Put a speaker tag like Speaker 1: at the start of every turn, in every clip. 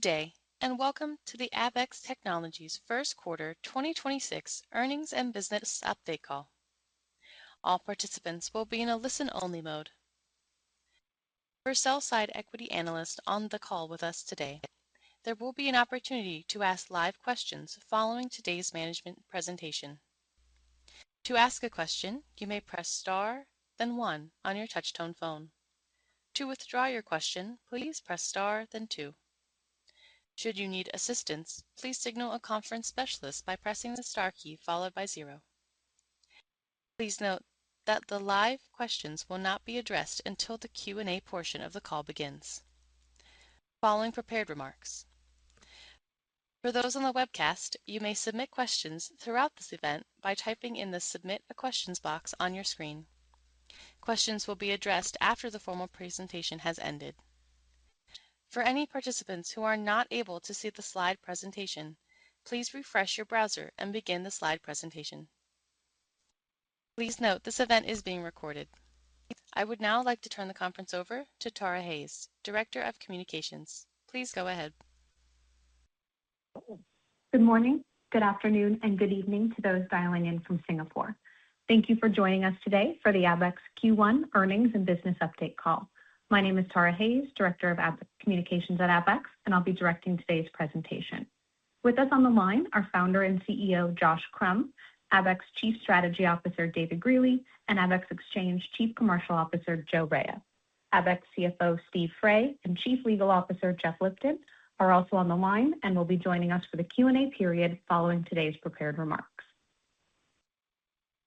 Speaker 1: Good day, welcome to the Abaxx Technologies First Quarter 2026 Earnings and Business Update Call. All participants will be in a listen-only mode. For sell-side equity analysts on the call with us today, there will be an opportunity to ask live questions following today's management presentation. To ask a question, you may press star then one on your touch-tone phone. To withdraw your question, please press star then two. Should you need assistance, please signal a conference specialist by pressing the star key followed by zero. Please note that the live questions will not be addressed until the Q&A portion of the call begins following prepared remarks. For those on the webcast, you may submit questions throughout this event by typing in the Submit a Questions box on your screen. Questions will be addressed after the formal presentation has ended. For any participants who are not able to see the slide presentation, please refresh your browser and begin the slide presentation. Please note this event is being recorded. I would now like to turn the conference over to Tara Hayes, Director of Communications. Please go ahead.
Speaker 2: Good morning, good afternoon, and good evening to those dialing in from Singapore. Thank you for joining us today for the Abaxx Q1 Earnings and Business Update call. My name is Tara Hayes, Director of Communications at Abaxx, and I'll be directing today's presentation. With us on the line are Founder and CEO, Josh Crumb, Abaxx Chief Strategy Officer, David Greely, and Abaxx Exchange Chief Commercial Officer, Joe Raia. Abaxx CFO, Steve Fray, and Chief Legal Officer, Jeff Lipton, are also on the line and will be joining us for the Q&A period following today's prepared remarks.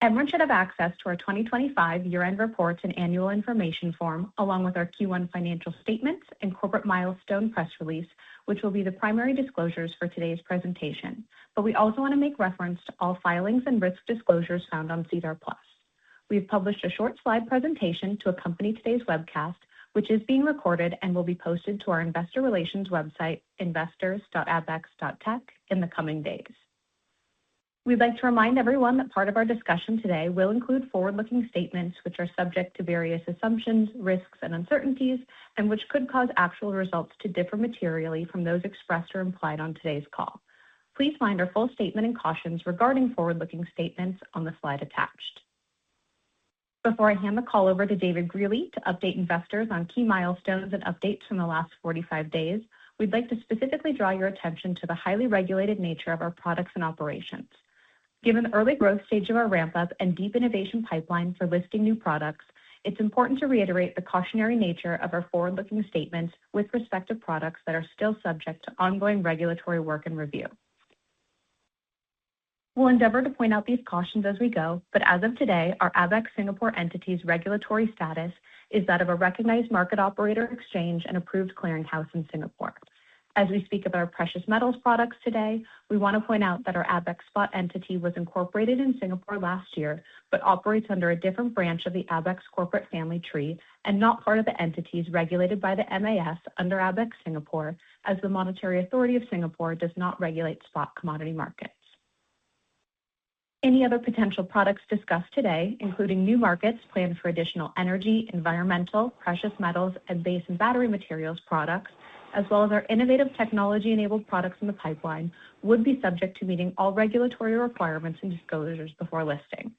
Speaker 2: Everyone should have access to our 2025 year-end reports and annual information form, along with our Q1 financial statements and corporate milestone press release, which will be the primary disclosures for today's presentation. We also want to make reference to all filings and risk disclosures found on SEDAR+. We've published a short slide presentation to accompany today's webcast, which is being recorded and will be posted to our investor relations website, investors.abaxx.tech, in the coming days. We'd like to remind everyone that part of our discussion today will include forward-looking statements which are subject to various assumptions, risks, and uncertainties, and which could cause actual results to differ materially from those expressed or implied on today's call. Please find our full statement and cautions regarding forward-looking statements on the slide attached. Before I hand the call over to David Greely to update investors on key milestones and updates from the last 45 days, we'd like to specifically draw your attention to the highly regulated nature of our products and operations. Given the early growth stage of our ramp-up and deep innovation pipeline for listing new products, it's important to reiterate the cautionary nature of our forward-looking statements with respect to products that are still subject to ongoing regulatory work and review. We'll endeavor to point out these cautions as we go, but as of today, our Abaxx Singapore entity's regulatory status is that of a recognized market operator exchange and approved clearinghouse in Singapore. As we speak of our precious metals products today, we want to point out that our Abaxx Spot entity was incorporated in Singapore last year but operates under a different branch of the Abaxx corporate family tree and not part of the entities regulated by the MAS under Abaxx Singapore, as the Monetary Authority of Singapore does not regulate spot commodity markets. Any other potential products discussed today, including new markets planned for additional energy, environmental, precious metals, and base and battery materials products, as well as our innovative technology-enabled products in the pipeline, would be subject to meeting all regulatory requirements and disclosures before listing.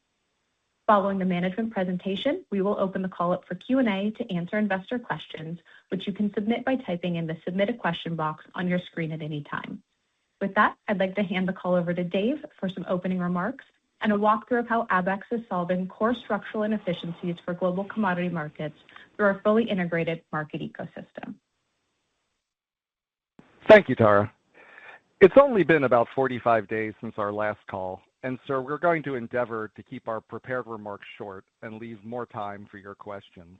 Speaker 2: Following the management presentation, we will open the call up for Q&A to answer investor questions, which you can submit by typing in the Submit a Question box on your screen at any time. With that, I'd like to hand the call over to Dave for some opening remarks and a walkthrough of how Abaxx is solving core structural inefficiencies for global commodity markets through our fully integrated market ecosystem.
Speaker 3: Thank you, Tara. It's only been about 45 days since our last call, we're going to endeavor to keep our prepared remarks short and leave more time for your questions.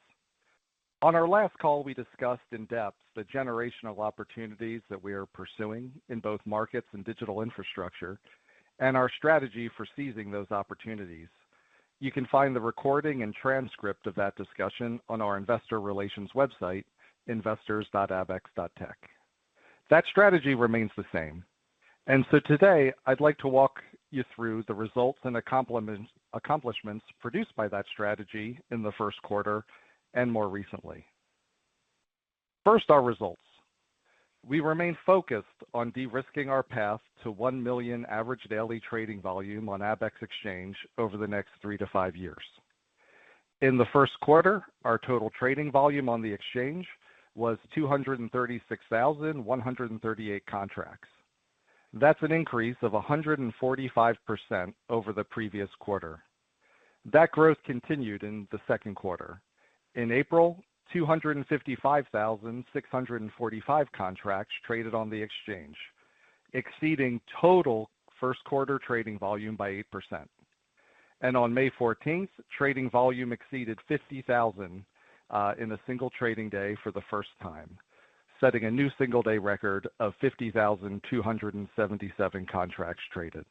Speaker 3: On our last call, we discussed in depth the generational opportunities that we are pursuing in both markets and digital infrastructure and our strategy for seizing those opportunities. You can find the recording and transcript of that discussion on our investor relations website, investors.abaxx.tech. That strategy remains the same, today I'd like to walk you through the results and accomplishments produced by that strategy in the first quarter and more recently. First, our results. We remain focused on de-risking our path to one million average daily trading volume on Abaxx Exchange over the next three to five years. In the first quarter, our total trading volume on the exchange was 236,138 contracts. That's an increase of 145% over the previous quarter. That growth continued in the second quarter. In April, 255,645 contracts traded on the exchange, exceeding total first quarter trading volume by 8%. On May 14th, trading volume exceeded 50,000 in a single trading day for the first time, setting a new single-day record of 50,277 contracts traded.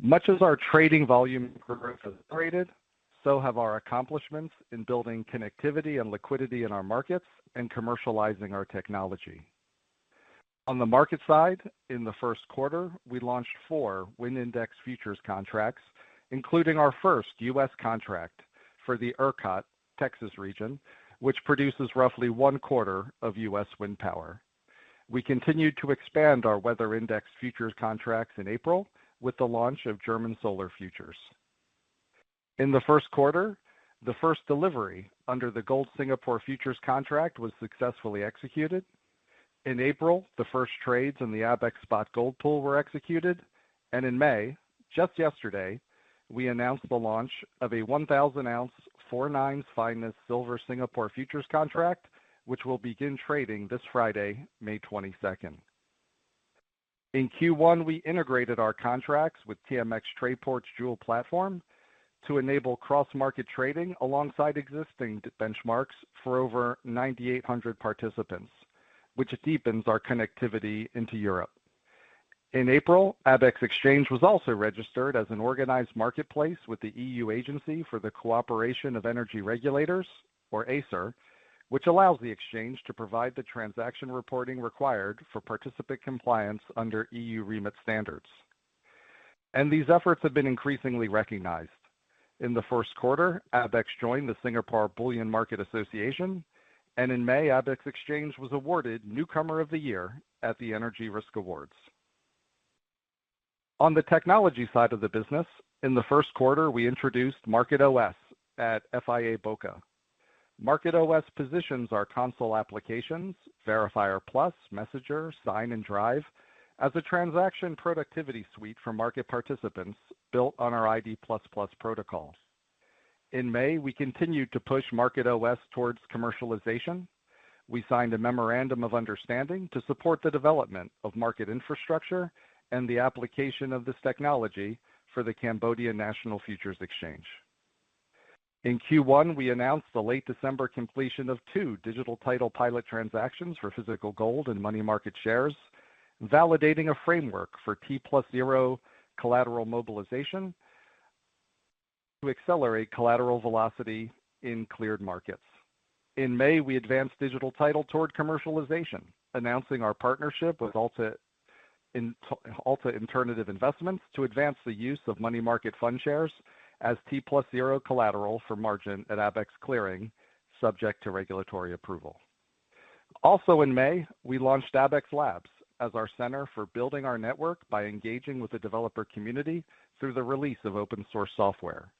Speaker 3: Much as our trading volume growth has upgraded, so have our accomplishments in building connectivity and liquidity in our markets and commercializing our technology. On the market side, in the first quarter, we launched four wind index futures contracts, including our first U.S. contract for the ERCOT Texas region, which produces roughly one quarter of U.S. wind power. We continued to expand our weather-indexed futures contracts in April with the launch of German solar futures. In the first quarter, the first delivery under the Gold Singapore futures contract was successfully executed. In April, the first trades in the Abaxx Spot gold pool were executed, in May, just yesterday, we announced the launch of a 1,000 oz, four nines finest Silver Singapore futures contract, which will begin trading this Friday, May 22nd. In Q1, we integrated our contracts with TMX Trayport's Joule platform to enable cross-market trading alongside existing benchmarks for over 9,800 participants, which deepens our connectivity into Europe. In April, Abaxx Exchange was also registered as an organized marketplace with the EU Agency for the Cooperation of Energy Regulators, or ACER, which allows the exchange to provide the transaction reporting required for participant compliance under EU REMIT standards. These efforts have been increasingly recognized. In the first quarter, Abaxx joined the Singapore Bullion Market Association, and in May, Abaxx Exchange was awarded Newcomer of the Year at the Energy Risk Awards. On the technology side of the business, in the first quarter, we introduced MarketOS at FIA Boca. MarketOS positions our console applications, Verifier+, Messenger, Sign, and Drive, as a transaction productivity suite for market participants built on our ID++ protocols. In May, we continued to push MarketOS towards commercialization. We signed a memorandum of understanding to support the development of market infrastructure and the application of this technology for the Cambodian National Futures Exchange. In Q1, we announced the late December completion of two digital title pilot transactions for physical gold and money market shares, validating a framework for T+0 collateral mobilization to accelerate collateral velocity in cleared markets. In May, we advanced digital title toward commercialization, announcing our partnership with Alta Alternative Investments to advance the use of money market fund shares as T+0 collateral for margin at Abaxx Clearing, subject to regulatory approval. In May, we launched Abaxx Labs as our center for building our network by engaging with the developer community through the release of open source software.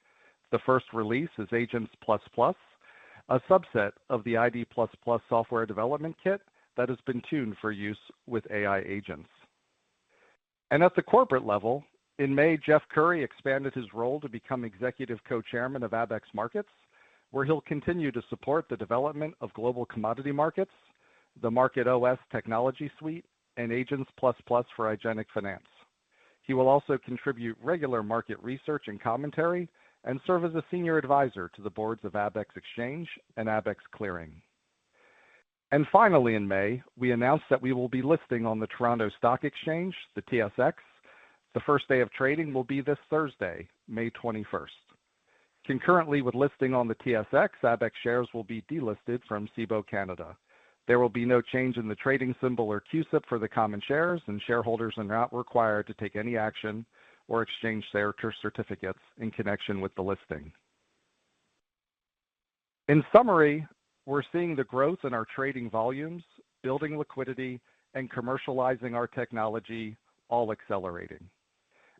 Speaker 3: The first release is Agents++, a subset of the ID++ software development kit that has been tuned for use with AI agents. At the corporate level, in May, Jeff Currie expanded his role to become Executive Co-Chairman of Abaxx Markets, where he'll continue to support the development of global commodity markets, the MarketOS technology suite, and Agents++ for agentic finance. He will also contribute regular market research and commentary, and serve as a senior advisor to the boards of Abaxx Exchange and Abaxx Clearing. Finally, in May, we announced that we will be listing on the Toronto Stock Exchange, the TSX. The first day of trading will be this Thursday, May 21st. Concurrently with listing on the TSX, ABXX shares will be delisted from Cboe Canada. There will be no change in the trading symbol or CUSIP for the common shares. Shareholders are not required to take any action or exchange their certificates in connection with the listing. In summary, we're seeing the growth in our trading volumes, building liquidity, and commercializing our technology all accelerating.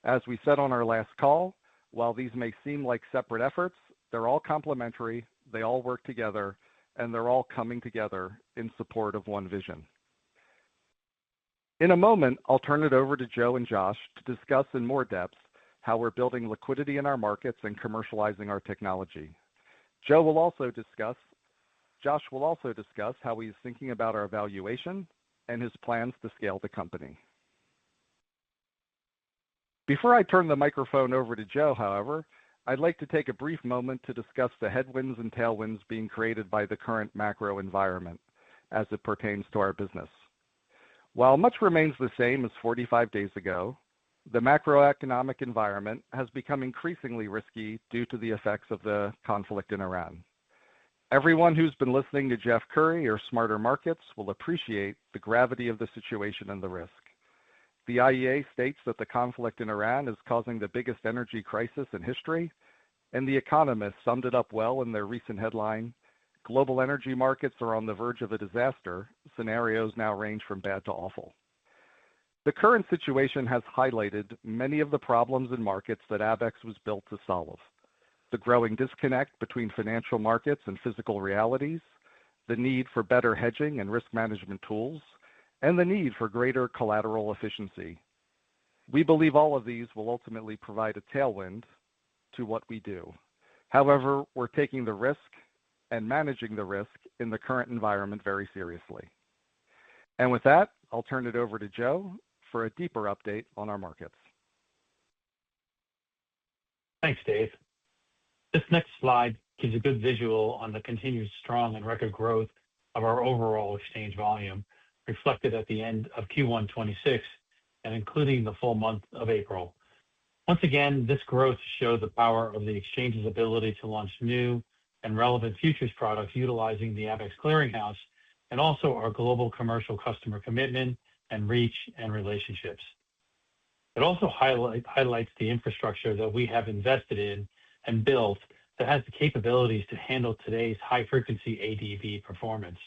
Speaker 3: As we said on our last call, while these may seem like separate efforts, they're all complementary, they all work together, and they're all coming together in support of one vision. In a moment, I'll turn it over to Joe and Josh to discuss in more depth how we're building liquidity in our markets and commercializing our technology. Josh will also discuss how he's thinking about our valuation and his plans to scale the company. Before I turn the microphone over to Joe, however, I'd like to take a brief moment to discuss the headwinds and tailwinds being created by the current macro environment as it pertains to our business. While much remains the same as 45 days ago, the macroeconomic environment has become increasingly risky due to the effects of the conflict in Iran. Everyone who's been listening to Jeff Currie or SmarterMarkets will appreciate the gravity of the situation and the risk. The IEA states that the conflict in Iran is causing the biggest energy crisis in history, and The Economist summed it up well in their recent headline, "Global energy markets are on the verge of a disaster. Scenarios now range from bad to awful." The current situation has highlighted many of the problems in markets that Abaxx was built to solve: the growing disconnect between financial markets and physical realities, the need for better hedging and risk management tools, and the need for greater collateral efficiency. We believe all of these will ultimately provide a tailwind to what we do. However, we're taking the risk and managing the risk in the current environment very seriously. With that, I'll turn it over to Joe for a deeper update on our markets.
Speaker 4: Thanks, Dave. This next slide gives a good visual on the continued strong and record growth of our overall exchange volume reflected at the end of Q1 2026, and including the full month of April. Once again, this growth showed the power of the exchange's ability to launch new and relevant futures products utilizing the Abaxx Clearing, and also our global commercial customer commitment and reach and relationships. It also highlights the infrastructure that we have invested in and built that has the capabilities to handle today's high-frequency ADV performance.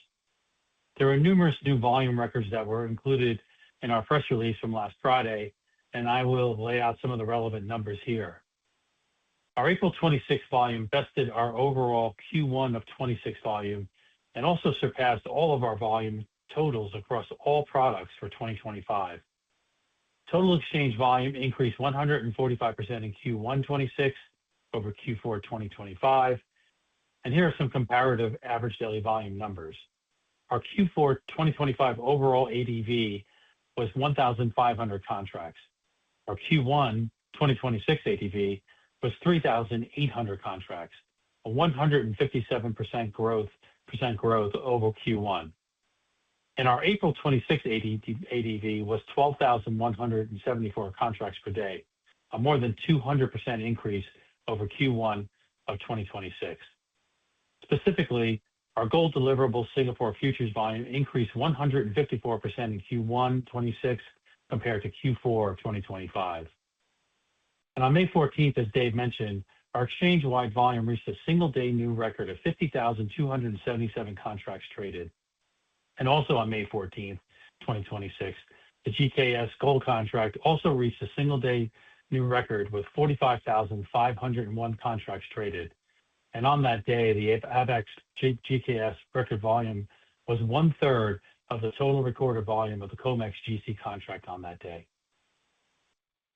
Speaker 4: There are numerous new volume records that were included in our press release from last Friday, and I will lay out some of the relevant numbers here. Our April 2026 volume bested our overall Q1 2026 volume and also surpassed all of our volume totals across all products for 2025. Total exchange volume increased 145% in Q1 2026 over Q4 2025. Here are some comparative average daily volume numbers. Our Q4 2025 overall ADV was 1,500 contracts. Our Q1 2026 ADV was 3,800 contracts, a 157% growth over Q1. Our April 2026 ADV was 12,174 contracts per day, a more than 200% increase over Q1 of 2026. Specifically, our Gold deliverable Singapore futures volume increased 154% in Q1 2026 compared to Q4 of 2025. On May 14th, as Dave mentioned, our exchange-wide volume reached a single-day new record of 50,277 contracts traded. Also on May 14th, 2026, the GKS Gold contract also reached a single-day new record with 45,501 contracts traded. On that day, the Abaxx GKS record volume was 1/3 of the total recorded volume of the COMEX GC contract on that day.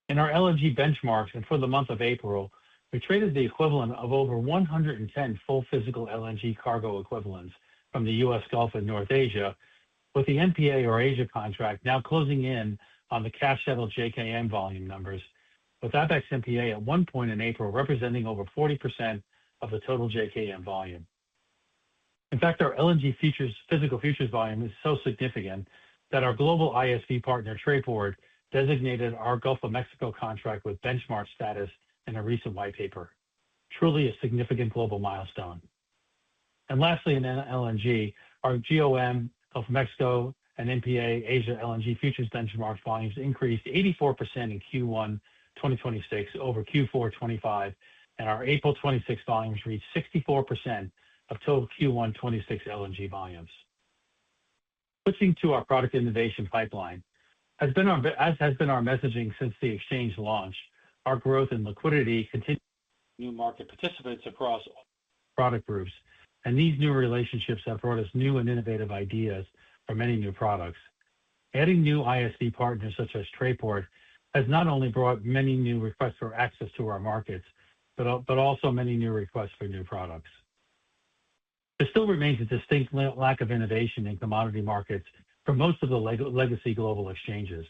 Speaker 4: In our LNG benchmarks for the month of April, we traded the equivalent of over 110 full physical LNG cargo equivalents from the U.S. Gulf and North Asia, with the NPA or Asia contract now closing in on the cash-settled JKM volume numbers, with Abaxx NPA at one point in April representing over 40% of the total JKM volume. In fact, our LNG physical futures volume is so significant that our global ISV partner, Trayport, designated our Gulf of Mexico contract with benchmark status in a recent white paper. Truly a significant global milestone. Lastly, in LNG, our GOM, Gulf of Mexico, and NPA Asia LNG futures benchmark volumes increased 84% in Q1 2026 over Q4 2025, and our April 2026 volumes reached 64% of total Q1 2026 LNG volumes. Switching to our product innovation pipeline, as has been our messaging since the exchange launch, our growth in liquidity continues new market participants across all product groups, and these new relationships have brought us new and innovative ideas for many new products. Adding new ISV partners such as Trayport has not only brought many new requests for access to our markets, but also many new requests for new products. There still remains a distinct lack of innovation in commodity markets for most of the legacy global exchanges.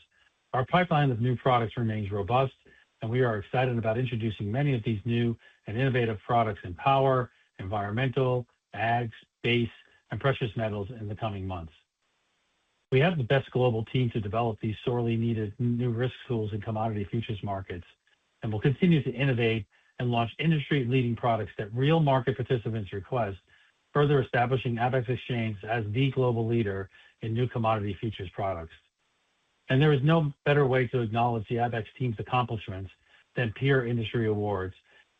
Speaker 4: Our pipeline of new products remains robust, and we are excited about introducing many of these new and innovative products in power, environmental, ags, base, and precious metals in the coming months. We have the best global team to develop these sorely needed new risk tools in commodity futures markets and will continue to innovate and launch industry-leading products that real market participants request, further establishing Abaxx Exchange as the global leader in new commodity futures products. There is no better way to acknowledge the Abaxx team's accomplishments than peer industry awards.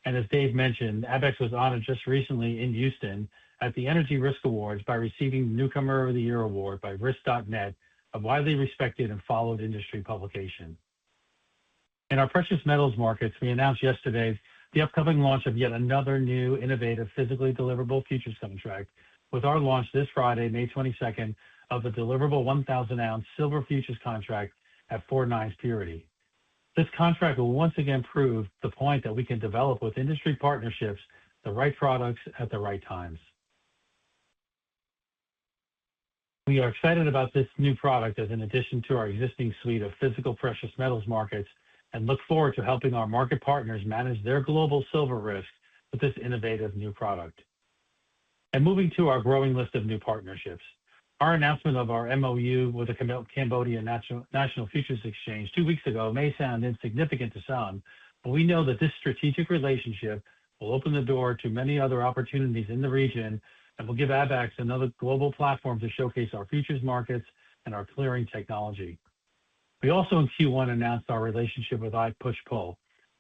Speaker 4: As Dave mentioned, Abaxx was honored just recently in Houston at the Energy Risk Awards by receiving Newcomer of the Year award by Risk.net, a widely respected and followed industry publication. In our precious metals markets, we announced yesterday the upcoming launch of yet another new innovative physically deliverable futures contract with our launch this Friday, May 22nd, of the deliverable 1,000 oz silver futures contract at four-nine purity. This contract will once again prove the point that we can develop with industry partnerships, the right products at the right times. We are excited about this new product as an addition to our existing suite of physical precious metals markets and look forward to helping our market partners manage their global silver risk with this innovative new product. Moving to our growing list of new partnerships. Our announcement of our MoU with the Cambodian National Futures Exchange two weeks ago may sound insignificant to some, but we know that this strategic relationship will open the door to many other opportunities in the region and will give Abaxx another global platform to showcase our futures markets and our clearing technology. We also in Q1 announced our relationship with ipushpull,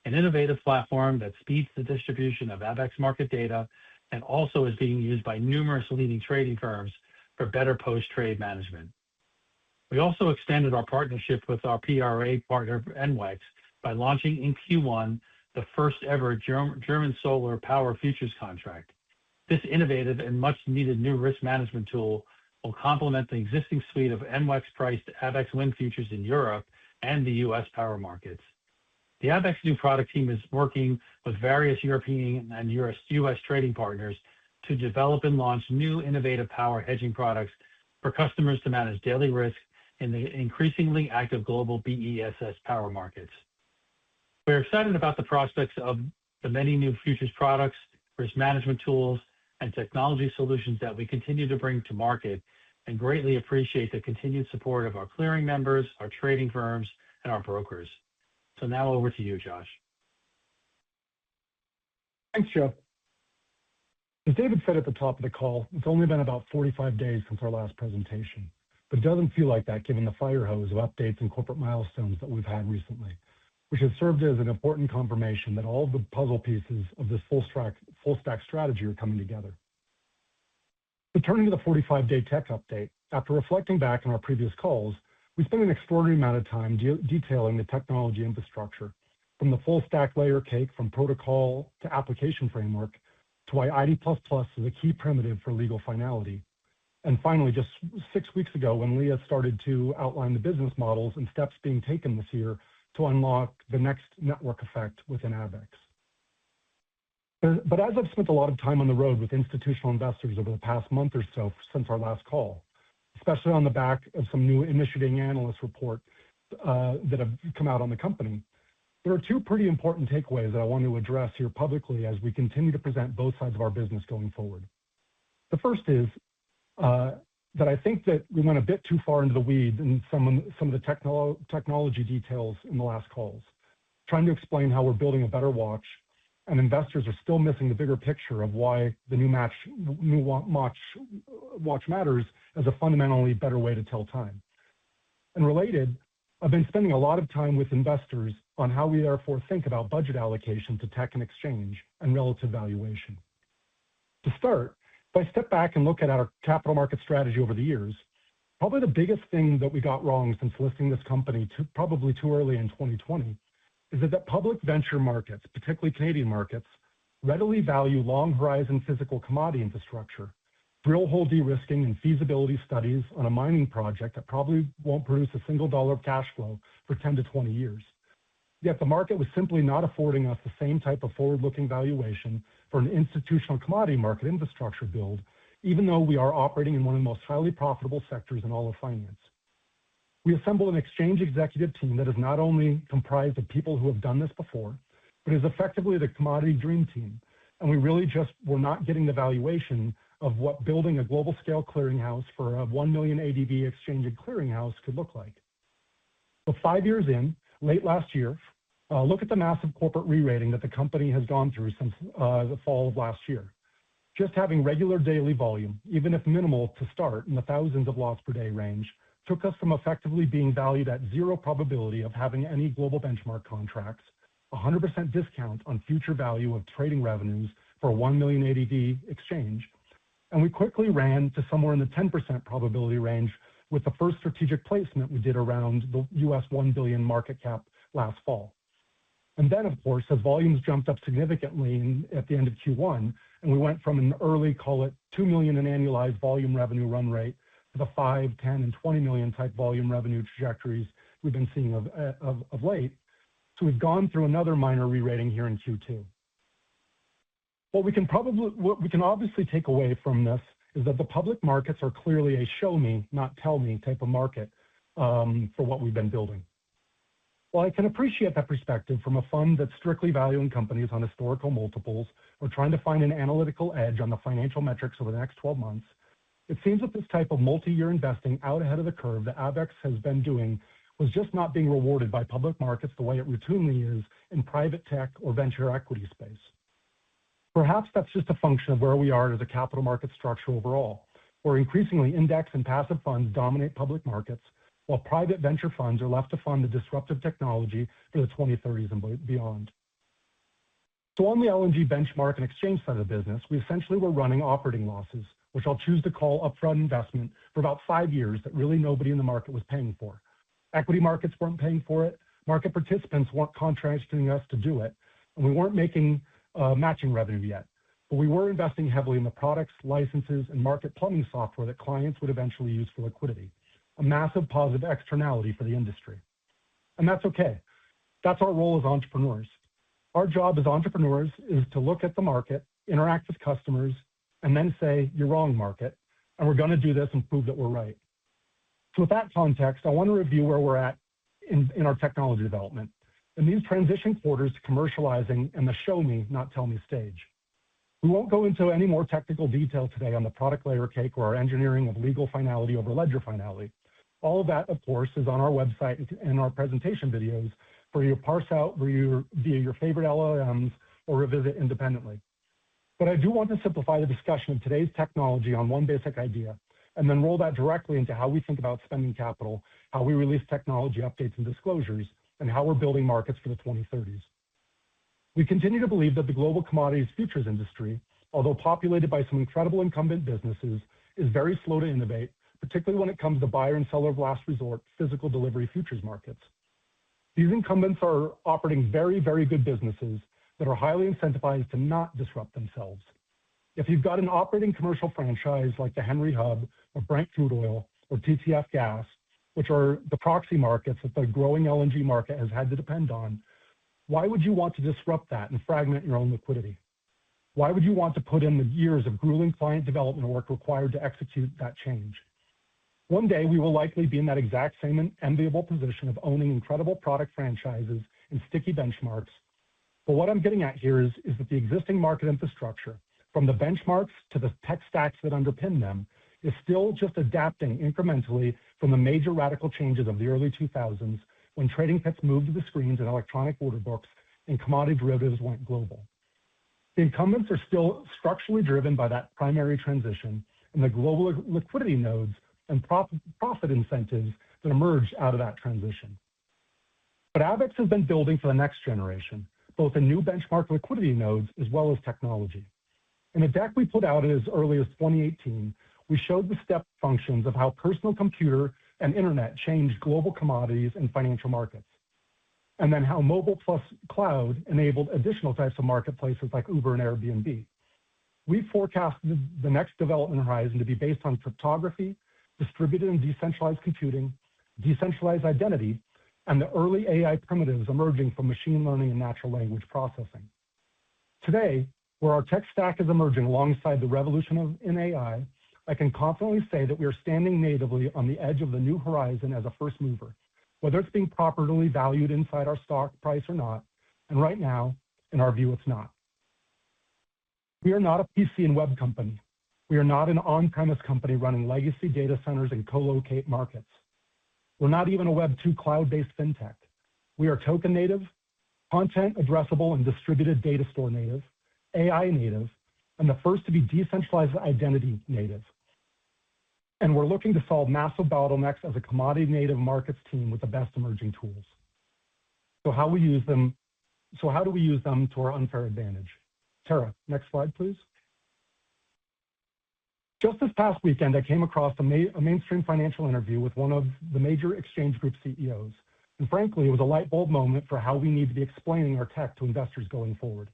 Speaker 4: an innovative platform that speeds the distribution of Abaxx market data and also is being used by numerous leading trading firms for better post-trade management. We also extended our partnership with our PRA partner, Enwex, by launching in Q1 the first-ever German solar power futures contract. This innovative and much-needed new risk management tool will complement the existing suite of Enwex-priced Abaxx wind futures in Europe and the U.S. power markets. The Abaxx new product team is working with various European and U.S. trading partners to develop and launch new innovative power hedging products for customers to manage daily risk in the increasingly active global BESS power markets. We're excited about the prospects of the many new futures products, risk management tools, and technology solutions that we continue to bring to market and greatly appreciate the continued support of our clearing members, our trading firms, and our brokers. Now over to you, Josh.
Speaker 5: Thanks, Joe. As David said at the top of the call, it's only been about 45 days since our last presentation, but it doesn't feel like that given the fire hose of updates and corporate milestones that we've had recently, which has served as an important confirmation that all the puzzle pieces of this full stack strategy are coming together. Turning to the 45-day tech update, after reflecting back on our previous calls, we spent an extraordinary amount of time detailing the technology infrastructure from the full stack layer cake, from protocol to application framework, to why ID++ is a key primitive for legal finality. Finally, just six weeks ago, when Leah started to outline the business models and steps being taken this year to unlock the next network effect within Abaxx. As I've spent a lot of time on the road with institutional investors over the past month or so since our last call, especially on the back of some new initiating analyst reports that have come out on the company, there are two pretty important takeaways that I want to address here publicly as we continue to present both sides of our business going forward. The first is that I think that we went a bit too far into the weeds in some of the technology details in the last calls, trying to explain how we're building a better watch, and investors are still missing the bigger picture of why the new watch matters as a fundamentally better way to tell time. Related, I've been spending a lot of time with investors on how we therefore think about budget allocation to tech and exchange and relative valuation. To start, if I step back and look at our capital market strategy over the years, probably the biggest thing that we got wrong since listing this company probably too early in 2020 is that the public venture markets, particularly Canadian markets, readily value long-horizon physical commodity infrastructure, drill hole de-risking and feasibility studies on a mining project that probably won't produce a single dollar of cash flow for 10-20 years. The market was simply not affording us the same type of forward-looking valuation for an institutional commodity market infrastructure build, even though we are operating in one of the most highly profitable sectors in all of finance. We assembled an exchange executive team that is not only comprised of people who have done this before, but is effectively the commodity dream team, and we really just were not getting the valuation of what building a global scale clearinghouse for a one million ADV exchange and clearinghouse could look like. Five years in, late last year, look at the massive corporate rerating that the company has gone through since the fall of last year. Just having regular daily volume, even if minimal to start in the thousands of lots per day range, took us from effectively being valued at zero probability of having any global benchmark contracts, 100% discount on future value of trading revenues for a one million ADV exchange. We quickly ran to somewhere in the 10% probability range with the first strategic placement we did around the $1 billion market cap last fall. Then, of course, as volumes jumped up significantly at the end of Q1, we went from an early, call it, 2 million in annualized volume revenue run rate to the 5 million, 10 million, and 20 million type volume revenue trajectories we've been seeing of late. We've gone through another minor rerating here in Q2. What we can obviously take away from this is that the public markets are clearly a show me, not tell me type of market for what we've been building. While I can appreciate that perspective from a fund that's strictly valuing companies on historical multiples or trying to find an analytical edge on the financial metrics over the next 12 months, it seems that this type of multi-year investing out ahead of the curve that Abaxx has been doing was just not being rewarded by public markets the way it routinely is in private tech or venture equity space. Perhaps that's just a function of where we are as a capital market structure overall, where increasingly index and passive funds dominate public markets while private venture funds are left to fund the disruptive technology for the 2030s and beyond. On the LNG benchmark and exchange side of the business, we essentially were running operating losses, which I'll choose to call upfront investment, for about five years that really nobody in the market was paying for. Equity markets weren't paying for it. Market participants weren't contracting us to do it, and we weren't making matching revenue yet. We were investing heavily in the products, licenses, and market plumbing software that clients would eventually use for liquidity, a massive positive externality for the industry. That's okay. That's our role as entrepreneurs. Our job as entrepreneurs is to look at the market, interact with customers, and then say, "You're wrong, market, and we're going to do this and prove that we're right." With that context, I want to review where we're at in our technology development. In these transition quarters to commercializing in the show me, not tell me stage. We won't go into any more technical detail today on the product layer cake or our engineering of legal finality over ledger finality. All of that, of course, is on our website and our presentation videos for you to parse out via your favorite LLMs or revisit independently. I do want to simplify the discussion of today's technology on one basic idea, and then roll that directly into how we think about spending capital, how we release technology updates and disclosures, and how we're building markets for the 2030s. We continue to believe that the global commodities futures industry, although populated by some incredible incumbent businesses, is very slow to innovate, particularly when it comes to buyer and seller of last resort physical delivery futures markets. These incumbents are operating very, very good businesses that are highly incentivized to not disrupt themselves. If you've got an operating commercial franchise like the Henry Hub or Brent Crude Oil or TTF Gas, which are the proxy markets that the growing LNG market has had to depend on, why would you want to disrupt that and fragment your own liquidity? Why would you want to put in the years of grueling client development work required to execute that change? One day, we will likely be in that exact same enviable position of owning incredible product franchises and sticky benchmarks. What I'm getting at here is that the existing market infrastructure, from the benchmarks to the tech stacks that underpin them, is still just adapting incrementally from the major radical changes of the early 2000s when trading pits moved to the screens and electronic order books and commodity derivatives went global. The incumbents are still structurally driven by that primary transition and the global liquidity nodes and profit incentives that emerge out of that transition. Abaxx has been building for the next generation, both in new benchmark liquidity nodes as well as technology. In a deck we put out as early as 2018, we showed the step functions of how personal computer and internet changed global commodities and financial markets, and then how mobile plus cloud enabled additional types of marketplaces like Uber and Airbnb. We forecasted the next development horizon to be based on cryptography, distributed and decentralized computing, decentralized identity, and the early AI primitives emerging from machine learning and natural language processing. Today, where our tech stack is emerging alongside the revolution in AI, I can confidently say that we are standing natively on the edge of the new horizon as a first mover, whether it's being properly valued inside our stock price or not, and right now, in our view, it's not. We are not a PC and web company. We are not an on-premise company running legacy data centers and co-locate markets. We're not even a Web2 cloud-based fintech. We are token native, content addressable and distributed data store native, AI native, and the first to be decentralized identity native. We're looking to solve massive bottlenecks as a commodity native markets team with the best emerging tools. How do we use them to our unfair advantage? Tara, next slide, please. This past weekend, I came across a mainstream financial interview with one of the major exchange group CEOs, and frankly, it was a light bulb moment for how we need to be explaining our tech to investors going forward.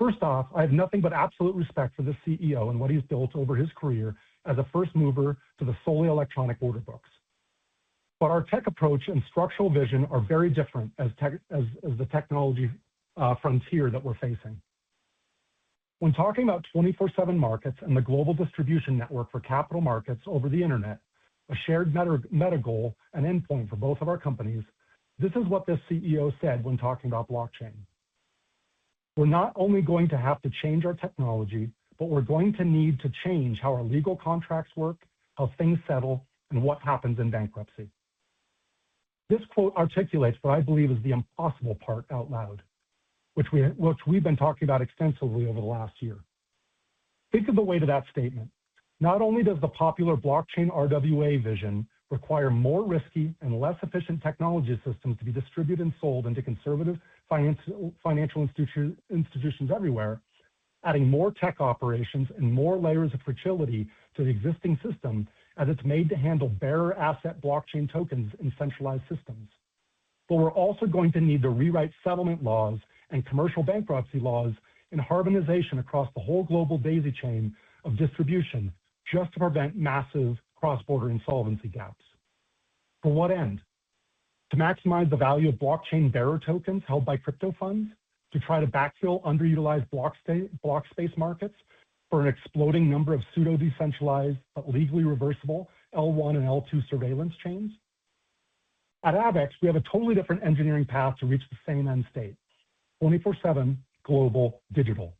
Speaker 5: I have nothing but absolute respect for the CEO and what he's built over his career as a first mover to the solely electronic order books. Our tech approach and structural vision are very different as the technology frontier that we're facing. When talking about 24/7 markets and the global distribution network for capital markets over the internet, a shared meta goal, an endpoint for both of our companies, this is what the CEO said when talking about blockchain. We're not only going to have to change our technology, but we're going to need to change how our legal contracts work, how things settle, and what happens in bankruptcy." This quote articulates what I believe is the impossible part out loud, which we've been talking about extensively over the last year. Think of the weight of that statement. Not only does the popular blockchain RWA vision require more risky and less efficient technology systems to be distributed and sold into conservative financial institutions everywhere, adding more tech operations and more layers of fragility to the existing system as it's made to handle bearer asset blockchain tokens in centralized systems. We're also going to need to rewrite settlement laws and commercial bankruptcy laws and harmonization across the whole global daisy chain of distribution just to prevent massive cross-border insolvency gaps. For what end? To maximize the value of blockchain bearer tokens held by crypto funds? To try to backfill underutilized block space markets for an exploding number of pseudo-decentralized, but legally reversible L1 and L2 surveillance chains? At Abaxx, we have a totally different engineering path to reach the same end state, 24/7 global digital.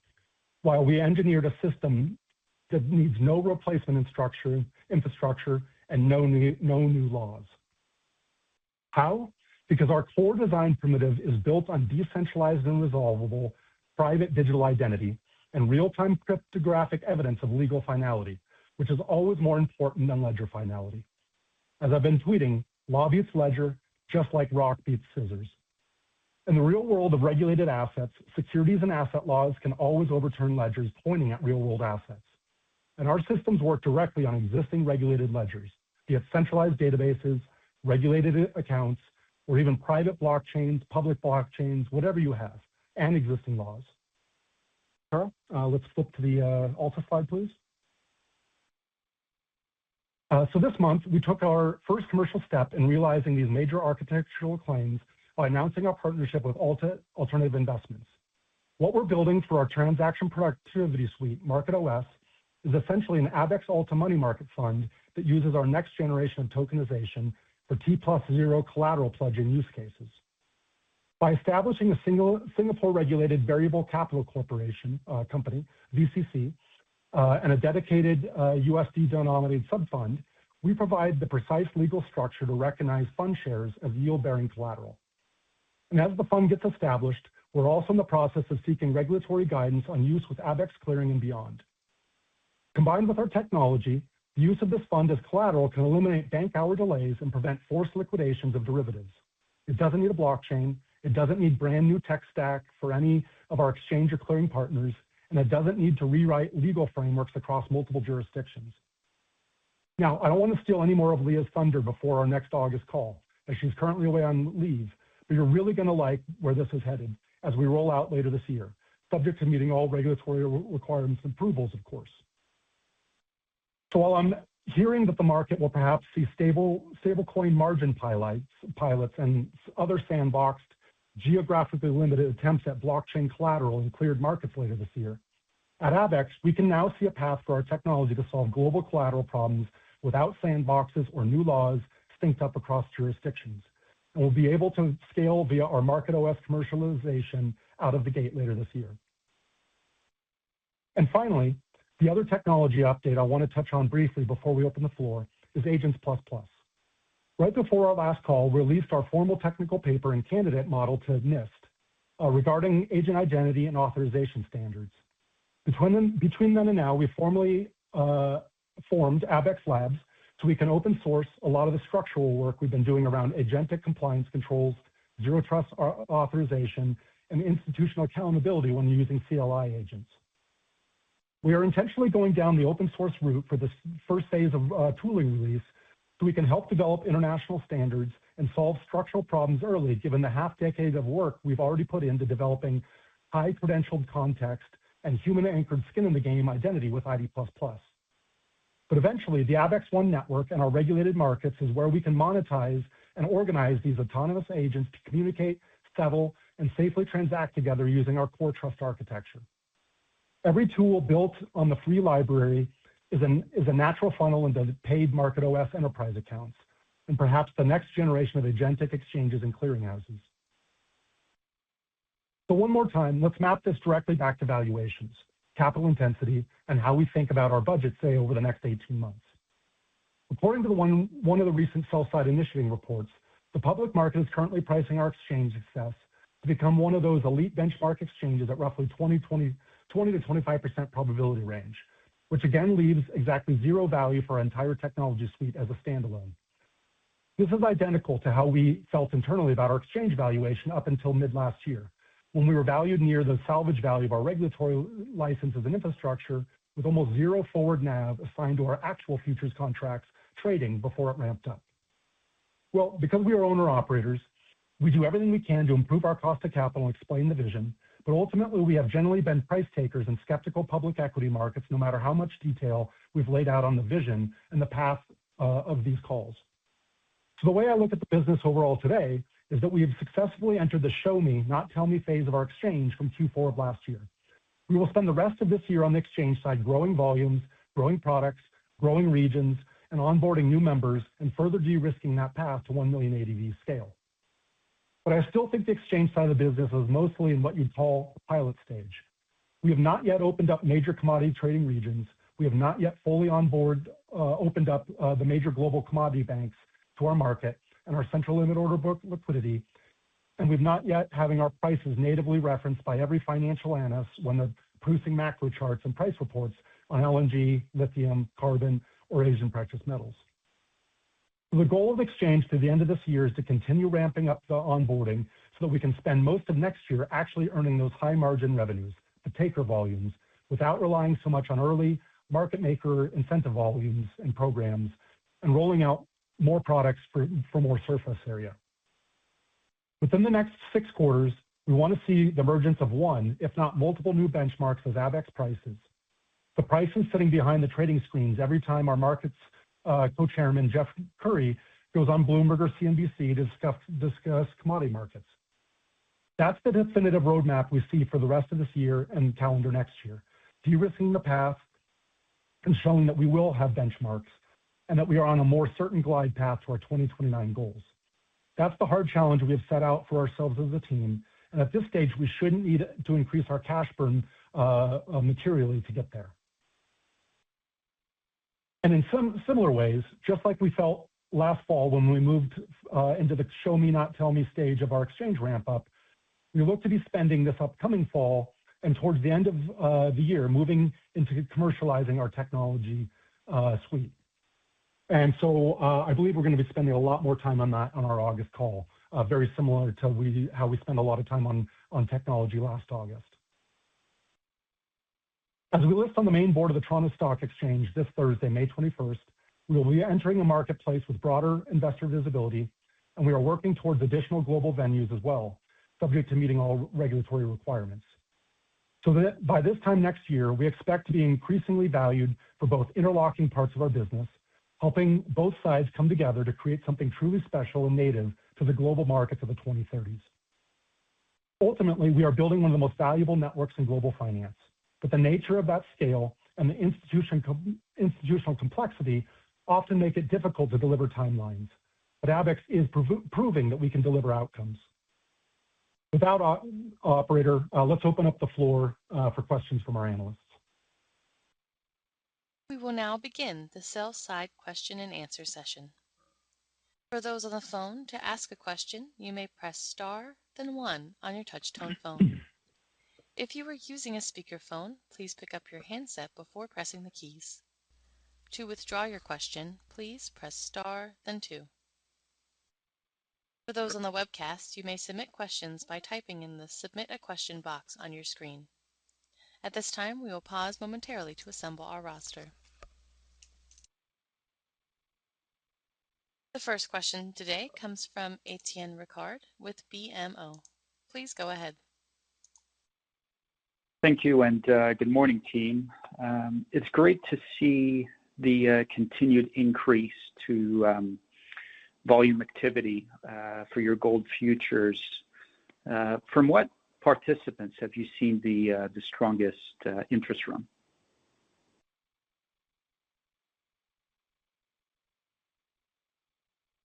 Speaker 5: While we engineered a system that needs no replacement infrastructure and no new laws. How? Because our core design primitive is built on decentralized and resolvable private digital identity and real-time cryptographic evidence of legal finality, which is always more important than ledger finality. As I've been tweeting, law beats ledger, just like rock beats scissors. In the real world of regulated assets, securities and asset laws can always overturn ledgers pointing at real-world assets. Our systems work directly on existing regulated ledgers, be it centralized databases, regulated accounts, or even private blockchains, public blockchains, whatever you have, and existing laws. Tara, let's flip to the Alta slide, please. This month, we took our first commercial step in realizing these major architectural claims by announcing our partnership with Alta Alternative Investments. What we're building for our transaction productivity suite, MarketOS, is essentially an Abaxx Alta money market fund that uses our next generation of tokenization for T+0 collateral pledge and use cases. By establishing a Singapore-regulated variable capital company, VCC, and a dedicated USD-denominated sub-fund, we provide the precise legal structure to recognize fund shares as yield-bearing collateral. As the fund gets established, we're also in the process of seeking regulatory guidance on use with Abaxx Clearing and beyond. Combined with our technology, the use of this fund as collateral can eliminate bank hour delays and prevent forced liquidations of derivatives. It doesn't need a blockchain, it doesn't need brand new tech stack for any of our exchange or clearing partners, and it doesn't need to rewrite legal frameworks across multiple jurisdictions. I don't want to steal any more of Leah's thunder before our next August call, as she's currently away on leave, but you're really going to like where this is headed as we roll out later this year, subject to meeting all regulatory requirements and approvals, of course. While I am hearing that the market will perhaps see stablecoin margin pilots and other sandboxed, geographically limited attempts at blockchain collateral in cleared markets later this year, at Abaxx, we can now see a path for our technology to solve global collateral problems without sandboxes or new laws synced up across jurisdictions, and we'll be able to scale via our MarketOS commercialization out of the gate later this year. Finally, the other technology update I want to touch on briefly before we open the floor is Agents++. Right before our last call, we released our formal technical paper and candidate model to NIST regarding agent identity and authorization standards. Between then and now, we formally formed Abaxx Labs so we can open source a lot of the structural work we've been doing around agentic compliance controls, zero trust authorization, and institutional accountability when using CLI agents. We are intentionally going down the open source route for this first phase of tooling release so we can help develop international standards and solve structural problems early, given the half decades of work we've already put into developing high-credentialed context and human-anchored skin-in-the-game identity with ID++. Eventually, the Abaxx One network and our regulated markets is where we can monetize and organize these autonomous agents to communicate, settle, and safely transact together using our core trust architecture. Every tool built on the free library is a natural funnel into paid MarketOS enterprise accounts, and perhaps the next generation of agentic exchanges and clearinghouses. One more time, let's map this directly back to valuations, capital intensity, and how we think about our budget, say, over the next 18 months. According to one of the recent sell-side initiating reports, the public market is currently pricing our exchange success to become one of those elite benchmark exchanges at roughly 20%-25% probability range which again leaves exactly zero value for our entire technology suite as a standalone. This is identical to how we felt internally about our exchange valuation up until mid-last year, when we were valued near the salvage value of our regulatory license as an infrastructure with almost zero forward NAV assigned to our actual futures contracts trading before it ramped up. Well, because we are owner-operators, we do everything we can to improve our cost to capital and explain the vision. Ultimately, we have generally been price takers in skeptical public equity markets, no matter how much detail we've laid out on the vision and the path of these calls. The way I look at the business overall today is that we have successfully entered the show me, not tell me, phase of our exchange from Q4 of last year. We will spend the rest of this year on the exchange side, growing volumes, growing products, growing regions, and onboarding new members, and further de-risking that path to 1 million ADV scale. I still think the exchange side of the business is mostly in what you'd call pilot stage. We have not yet opened up major commodity trading regions, we have not yet fully opened up the major global commodity banks to our market and our central limit order book liquidity, and we're not yet having our prices natively referenced by every financial analyst when they're producing macro charts and price reports on LNG, lithium, carbon, or Asian precious metals. The goal of Abaxx Exchange through the end of this year is to continue ramping up the onboarding so that we can spend most of next year actually earning those high-margin revenues, the taker volumes, without relying so much on early market maker incentive volumes and programs and rolling out more products for more surface area. Within the next six quarters, we want to see the emergence of one, if not multiple, new benchmarks of Abaxx prices. The prices sitting behind the trading screens every time our Market's Co-Chairman, Jeff Currie, goes on Bloomberg or CNBC to discuss commodity markets. That's the definitive roadmap we see for the rest of this year and calendar next year. De-risking the path and showing that we will have benchmarks, and that we are on a more certain glide path to our 2029 goals. That's the hard challenge we have set out for ourselves as a team, and at this stage, we shouldn't need to increase our cash burn materially to get there. In some similar ways, just like we felt last fall when we moved into the show me, not tell me, stage of our exchange ramp-up, we look to be spending this upcoming fall and towards the end of the year moving into commercializing our technology suite. I believe we're going to be spending a lot more time on that on our August call. Very similar to how we spent a lot of time on technology last August. As we list on the main board of the Toronto Stock Exchange this Thursday, May 21st, we will be entering a marketplace with broader investor visibility and we are working towards additional global venues as well, subject to meeting all regulatory requirements. By this time next year, we expect to be increasingly valued for both interlocking parts of our business, helping both sides come together to create something truly special and native to the global markets of the 2030s. Ultimately, we are building one of the most valuable networks in global finance, but the nature of that scale and the institutional complexity often make it difficult to deliver timelines. Abaxx is proving that we can deliver outcomes. With that, operator, let's open up the floor for questions from our analysts.
Speaker 1: We will now begin the sell-side question and answer session. For those on the phone, to ask a question, you may press star then one on your touchtone phone. If you are using a speakerphone, please pick up your handset before pressing the keys. To withdraw your question, please press star then two. For those on the webcast, you may submit questions by typing in the Submit a Question box on your screen. At this time, we will pause momentarily to assemble our roster. The first question today comes from Étienne Ricard with BMO. Please go ahead.
Speaker 6: Thank you and good morning, team. It's great to see the continued increase to volume activity for your gold futures. From what participants have you seen the strongest interest from?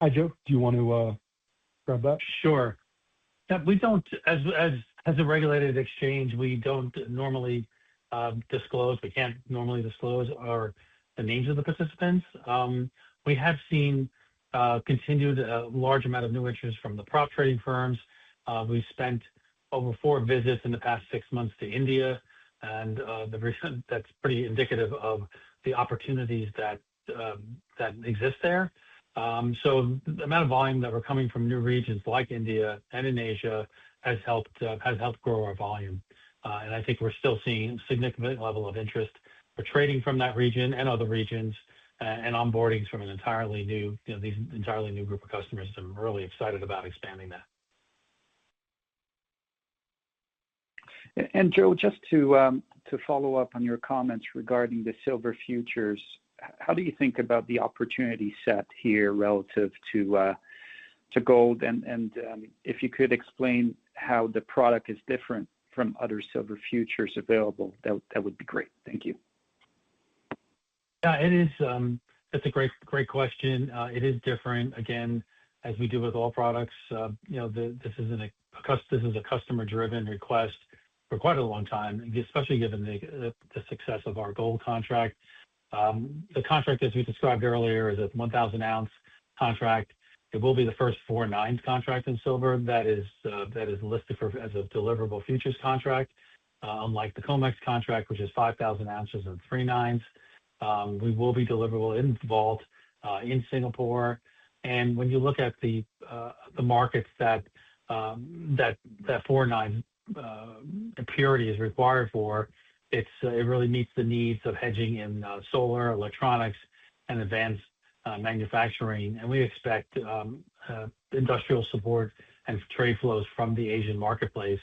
Speaker 5: Hi, Joe. Do you want to grab that?
Speaker 4: Sure. As a regulated exchange, we can't normally disclose the names of the participants. We have seen continued large amount of new interest from the prop trading firms. We've spent over four visits in the past six months to India, and that's pretty indicative of the opportunities that exist there. The amount of volume that we're coming from new regions like India and in Asia has helped grow our volume. I think we're still seeing significant level of interest for trading from that region and other regions, and onboardings from these entirely new group of customers, so I'm really excited about expanding that.
Speaker 6: Joe, just to follow up on your comments regarding the silver futures, how do you think about the opportunity set here relative to gold? If you could explain how the product is different from other silver futures available, that would be great. Thank you.
Speaker 4: Yeah. That's a great question. It is different. Again, as we do with all products, this is a customer-driven request for quite a long time, especially given the success of our gold contract. The contract, as we described earlier, is a 1,000 oz contract. It will be the first four nines contract in silver that is listed as a deliverable futures contract, unlike the COMEX contract, which is 5,000 oz and three nines. We will be deliverable in vault in Singapore. When you look at the markets that four nine purity is required for, it really meets the needs of hedging in solar, electronics, and advanced manufacturing. We expect industrial support and trade flows from the Asian marketplace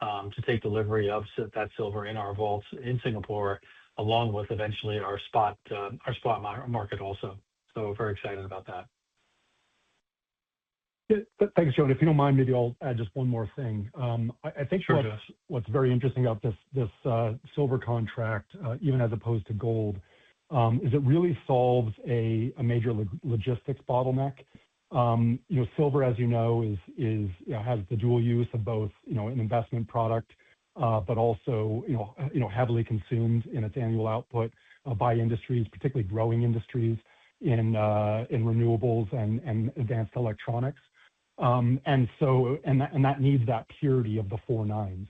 Speaker 4: to take delivery of that silver in our vaults in Singapore, along with, eventually, our spot market also. Very excited about that.
Speaker 5: Thanks, Joe, and if you don't mind, maybe I'll add just one more thing.
Speaker 4: Sure.
Speaker 5: I think what's very interesting about this silver contract, even as opposed to gold, is it really solves a major logistics bottleneck. Silver, as you know, has the dual use of both, an investment product, but also, heavily consumed in its annual output by industries, particularly growing industries in renewables and advanced electronics. That needs that purity of the four nines.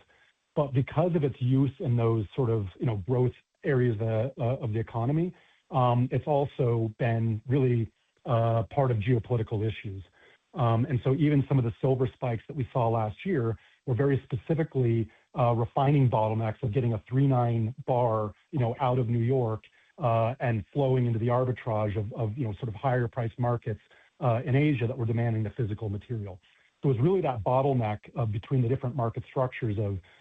Speaker 5: Because of its use in those sort of growth areas of the economy, it's also been really part of geopolitical issues. Even some of the silver spikes that we saw last year were very specifically refining bottlenecks of getting a three nine bar out of New York, and flowing into the arbitrage of sort of higher priced markets in Asia that were demanding the physical material. It was really that bottleneck between the different market structures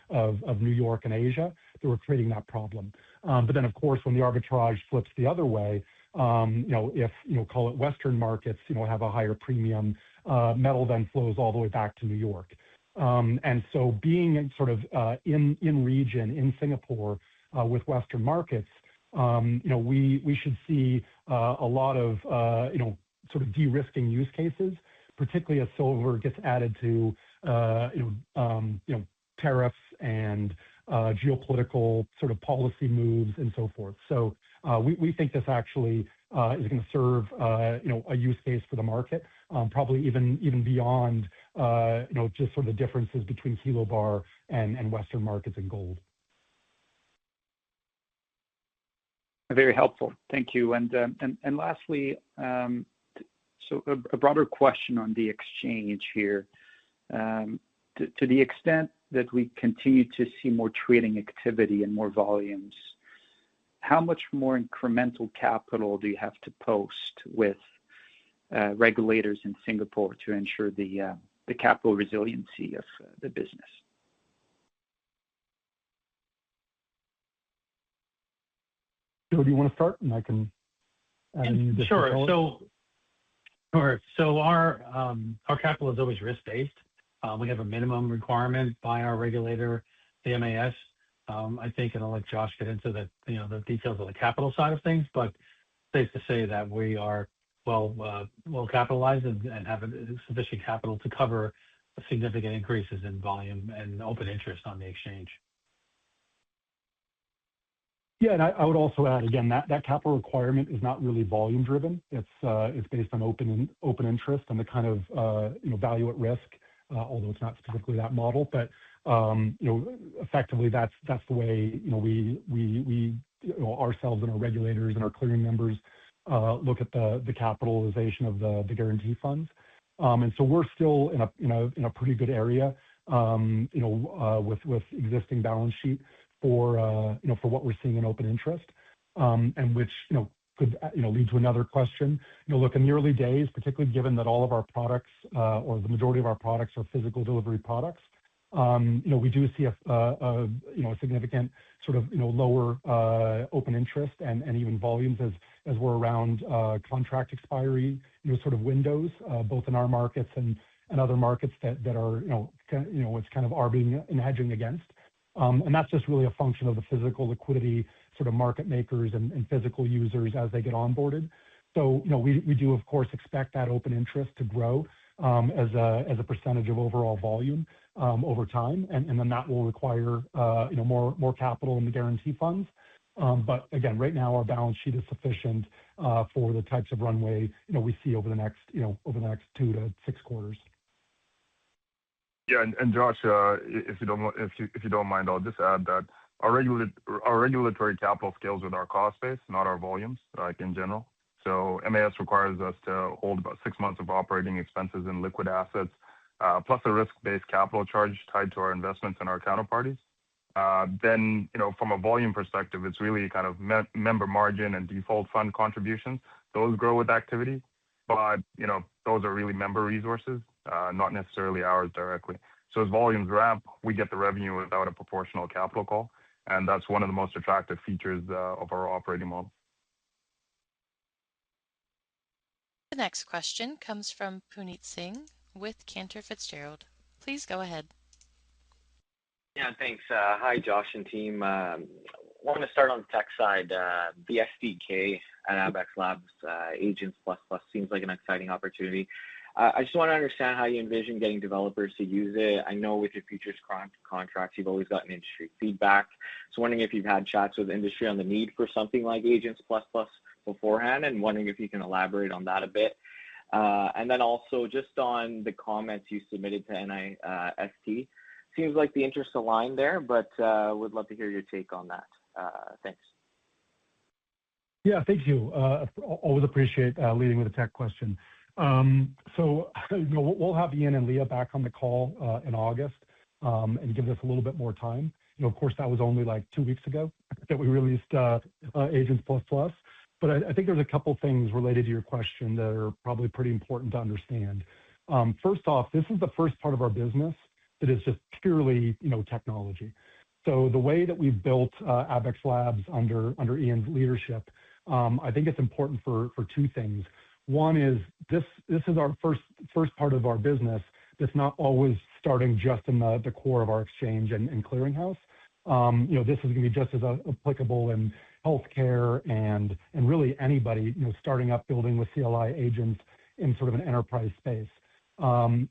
Speaker 5: of New York and Asia that were creating that problem. Of course, when the arbitrage flips the other way, if, call it Western markets have a higher premium, metal then flows all the way back to New York. Being in region, in Singapore, with Western markets, we should see a lot of sort of de-risking use cases, particularly as silver gets added to tariffs and geopolitical policy moves and so forth. We think this actually is going to serve a use case for the market, probably even beyond just sort of the differences between kilo bar and Western markets and gold.
Speaker 6: Very helpful. Thank you. Lastly, a broader question on the exchange here. To the extent that we continue to see more trading activity and more volumes, how much more incremental capital do you have to post with regulators in Singapore to ensure the capital resiliency of the business?
Speaker 5: Joe, do you want to start? I can add.
Speaker 4: Sure. Our capital is always risk-based. We have a minimum requirement by our regulator, the MAS. I think, and I'll let Josh get into the details of the capital side of things, but safe to say that we are well-capitalized and have sufficient capital to cover significant increases in volume and open interest on the exchange.
Speaker 5: Yeah, I would also add, again, that capital requirement is not really volume-driven. It's based on open interest and the kind of value at risk. Although it's not specifically that model, but effectively, that's the way ourselves and our regulators and our clearing members look at the capitalization of the guarantee funds. We're still in a pretty good area with existing balance sheet for what we're seeing in open interest, and which could lead to another question. Look, in the early days, particularly given that all of our products or the majority of our products are physical delivery products, we do see a significant sort of lower open interest and even volumes as we're around contract expiry sort of windows, both in our markets and other markets that are what's kind of arbing and hedging against. That's just really a function of the physical liquidity sort of market makers and physical users as they get onboarded. We do, of course, expect that open interest to grow as a percentage of overall volume over time, and then that will require more capital in the guarantee funds. Again, right now our balance sheet is sufficient for the types of runway we see over the next three to six quarters.
Speaker 7: Yeah, Josh, if you don't mind, I'll just add that our regulatory capital scales with our cost base, not our volumes, like in general. MAS requires us to hold about six months of operating expenses in liquid assets, plus a risk-based capital charge tied to our investments in our counterparties. From a volume perspective, it's really kind of member margin and default fund contributions. Those grow with activity. Those are really member resources, not necessarily ours directly. As volumes ramp, we get the revenue without a proportional capital call, and that's one of the most attractive features of our operating model.
Speaker 1: The next question comes from Puneet Singh with Cantor Fitzgerald. Please go ahead.
Speaker 8: Yeah, thanks. Hi, Josh and team. I want to start on the tech side. The SDK at Abaxx Labs, Agents++ seems like an exciting opportunity. I just want to understand how you envision getting developers to use it. I know with your futures contracts, you've always gotten industry feedback. Wondering if you've had chats with industry on the need for something like Agents++ beforehand, and wondering if you can elaborate on that a bit. Also just on the comments you submitted to NIST, seems like the interests align there, but would love to hear your take on that. Thanks.
Speaker 5: Thank you. Always appreciate leading with a tech question. We'll have Ian and Leah back on the call in August, and give this a little bit more time. Of course, that was only two weeks ago that we released Agents++. I think there's a couple things related to your question that are probably pretty important to understand. First off, this is the first part of our business that is just purely technology. The way that we've built Abaxx Labs under Ian's leadership, I think it's important for two things. One is, this is our first part of our business that's not always starting just in the core of our Exchange and Clearing House. This is going to be just as applicable in healthcare and really anybody starting up building with CLI agents in sort of an enterprise space. I'm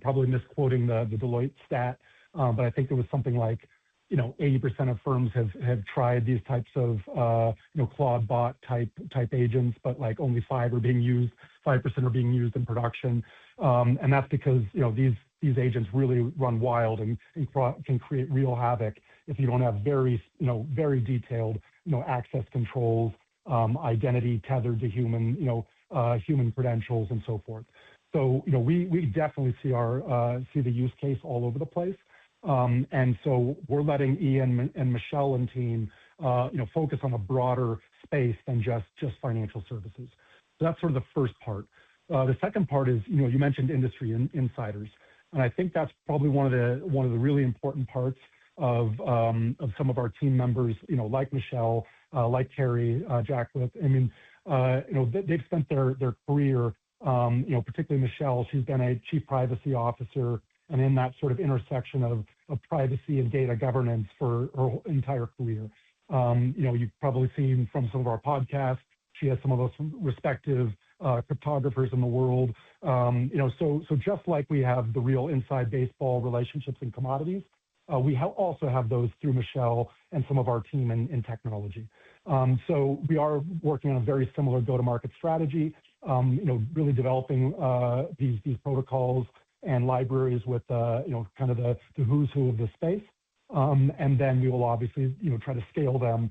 Speaker 5: probably misquoting the Deloitte stat, but I think it was something like 80% of firms have tried these types of Claude bot type agents, but only 5% are being used in production. That's because these agents really run wild and can create real havoc if you don't have very detailed access controls, identity tethered to human credentials, and so forth. We definitely see the use case all over the place. We're letting Ian and Michelle and team focus on a broader space than just financial services. That's sort of the first part. The second part is, you mentioned industry insiders, and I think that's probably one of the really important parts of some of our team members like Michelle, like Carrie Jaquith. They've spent their career, particularly Michelle, she's been a chief privacy officer and in that sort of intersection of privacy and data governance for her entire career. You've probably seen from some of our podcasts, she has some of the most respected cryptographers in the world. Just like we have the real inside baseball relationships in commodities, we also have those through Michelle and some of our team in technology. We are working on a very similar go-to-market strategy, really developing these protocols and libraries with kind of the who's who of the space. We will obviously try to scale them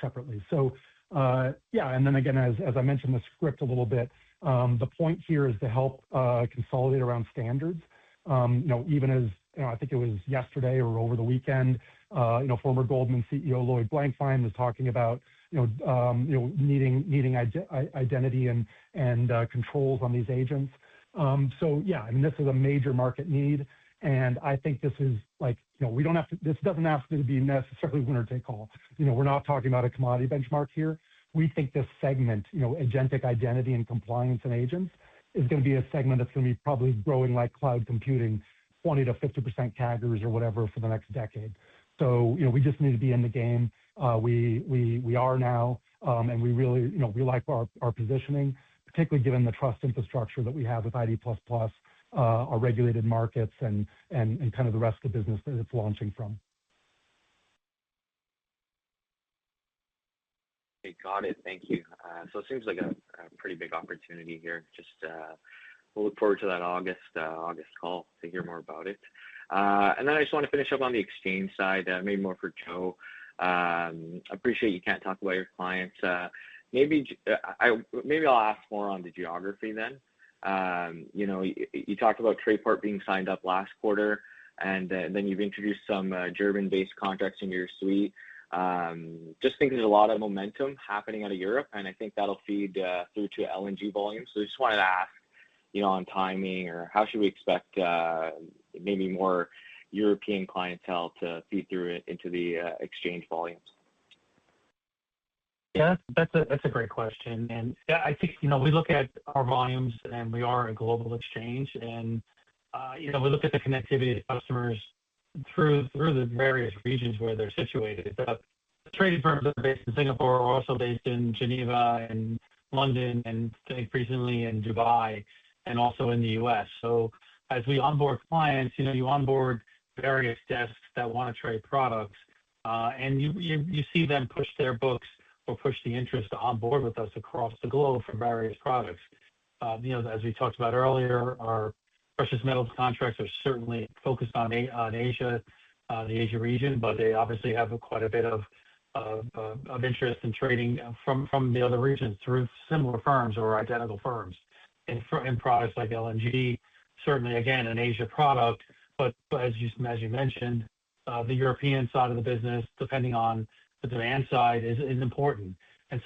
Speaker 5: separately. Yeah. Again, as I mentioned the script a little bit, the point here is to help consolidate around standards. Even as, I think it was yesterday or over the weekend, former Goldman CEO Lloyd Blankfein was talking about needing identity and controls on these agents. Yeah, this is a major market need, and I think this doesn't have to be necessarily winner take all. We're not talking about a commodity benchmark here. We think this segment, agentic identity and compliance and agents, is going to be a segment that's going to be probably growing like cloud computing, 20%-50% CAGRs or whatever for the next decade. We just need to be in the game. We are now, and we really like our positioning, particularly given the trust infrastructure that we have with ID++, our regulated markets and kind of the rest of the business that it's launching from.
Speaker 8: Okay, got it. Thank you. It seems like a pretty big opportunity here. We'll look forward to that August call to hear more about it. I just want to finish up on the exchange side, maybe more for Joe. Appreciate you can't talk about your clients. Maybe I'll ask more on the geography then. You talked about Trayport being signed up last quarter, and then you've introduced some German-based contracts into your suite. I think there's a lot of momentum happening out of Europe, and I think that'll feed through to LNG volumes. I just wanted to ask on timing, or how should we expect maybe more European clientele to feed through into the exchange volumes?
Speaker 4: Yeah, that's a great question. I think we look at our volumes, we are a global exchange. We look at the connectivity to customers through the various regions where they're situated. Trading firms that are based in Singapore are also based in Geneva and London, I think recently in Dubai and also in the U.S. As we onboard clients, you onboard various desks that want to trade products, and you see them push their books or push the interest to onboard with us across the globe for various products. As we talked about earlier, our precious metals contracts are certainly focused on the Asia region, but they obviously have quite a bit of interest in trading from the other regions through similar firms or identical firms in products like LNG. Certainly, again, an Asia product, as you mentioned, the European side of the business, depending on the demand side, is important.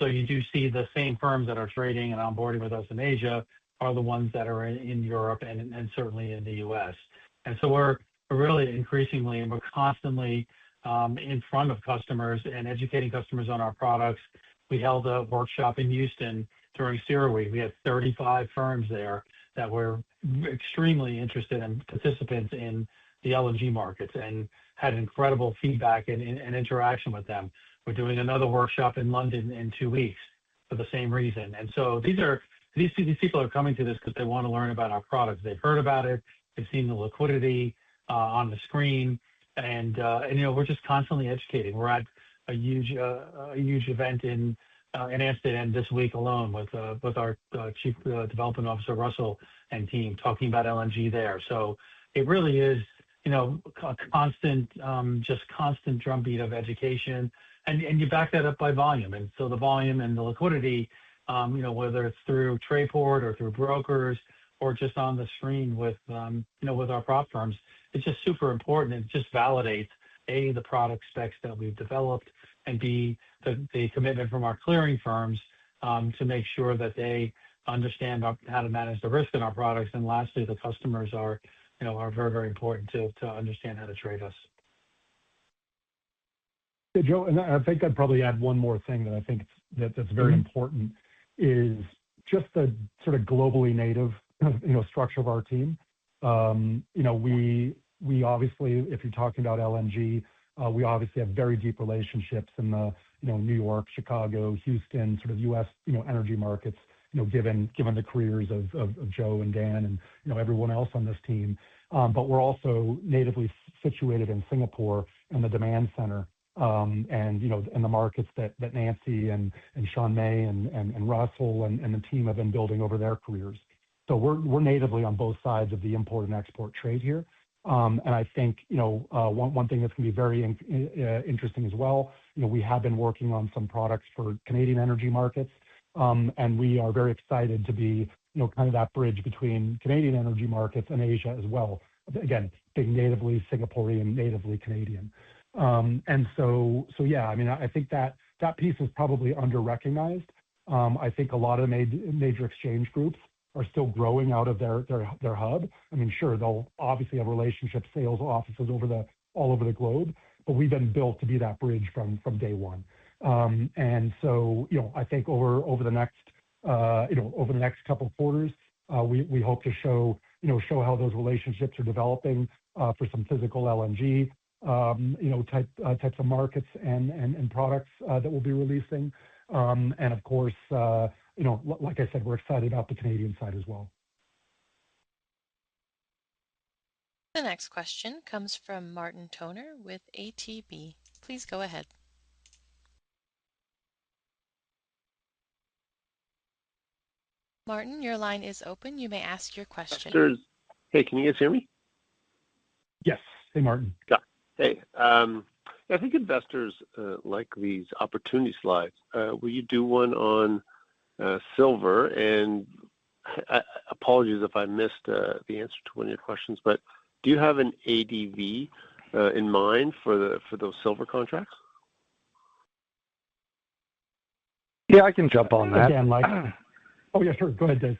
Speaker 4: You do see the same firms that are trading and onboarding with us in Asia are the ones that are in Europe and certainly in the U.S. We're really increasingly, and we're constantly in front of customers and educating customers on our products. We held a workshop in Houston during CERAWeek. We had 35 firms there that were extremely interested, and participants in the LNG markets, and had incredible feedback and interaction with them. We're doing another workshop in London in two weeks for the same reason. These people are coming to this because they want to learn about our products. They've heard about it, they've seen the liquidity on the screen, and we're just constantly educating. We're at a huge event in Amsterdam this week alone with our Chief Development Officer, Russell, and team talking about LNG there. It really is just constant drumbeat of education, and you back that up by volume. The volume and the liquidity, whether it's through Trayport or through brokers or just on the screen with our prop firms, it's just super important. It just validates, A, the product specs that we've developed, and B, the commitment from our clearing firms to make sure that they understand how to manage the risk in our products. Lastly, the customers are very important to understand how to trade us.
Speaker 5: Hey, Joe, I think I'd probably add one more thing that I think that's very important is just the sort of globally native structure of our team. If you're talking about LNG, we obviously have very deep relationships in the New York, Chicago, Houston sort of U.S. energy markets given the careers of Joe and Dan and everyone else on this team. We're also natively situated in Singapore in the demand center, and in the markets that Nancy and Sean May and Russell and the team have been building over their careers. We're natively on both sides of the import and export trade here. I think one thing that's going to be very interesting as well, we have been working on some products for Canadian energy markets. We are very excited to be kind of that bridge between Canadian energy markets and Asia as well. Again, being natively Singaporean, natively Canadian. I think that piece is probably under-recognized. I think a lot of major exchange groups are still growing out of their hub. Sure, they'll obviously have relationship sales offices all over the globe, but we've been built to be that bridge from day one. I think over the next couple of quarters, we hope to show how those relationships are developing for some physical LNG types of markets and products that we'll be releasing. Of course, like I said, we're excited about the Canadian side as well.
Speaker 1: The next question comes from Martin Toner with ATB. Please go ahead. Martin, your line is open. You may ask your question.
Speaker 9: Hey, can you guys hear me?
Speaker 5: Yes. Hey, Martin.
Speaker 9: Got it. Hey. I think investors like these opportunity slides. Will you do one on silver? Apologies if I missed the answer to one of your questions, but do you have an ADV in mind for those silver contracts?
Speaker 3: Yeah, I can jump on that.
Speaker 5: Again, [like]. Oh, yeah, sure, go ahead, Dave.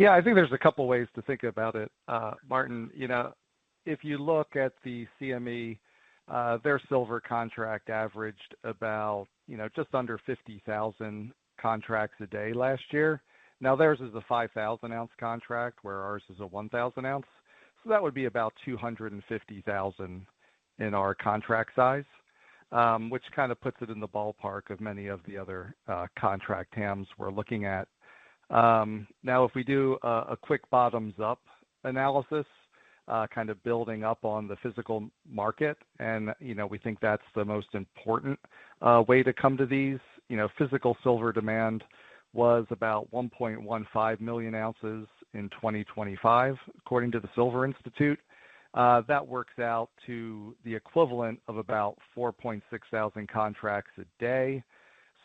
Speaker 3: I think there's a couple ways to think about it, Martin. If you look at the CME, their silver contract averaged about just under 50,000 contracts a day last year. Theirs is a 5,000 oz contract, where ours is a 1,000 oz. That would be about 250,000 in our contract size, which kind of puts it in the ballpark of many of the other contract TAMs we're looking at. If we do a quick bottoms-up analysis, kind of building up on the physical market, and we think that's the most important way to come to these. Physical silver demand was about 1.15 million oz in 2025, according to the Silver Institute. That works out to the equivalent of about 4.6 thousand contracts a day.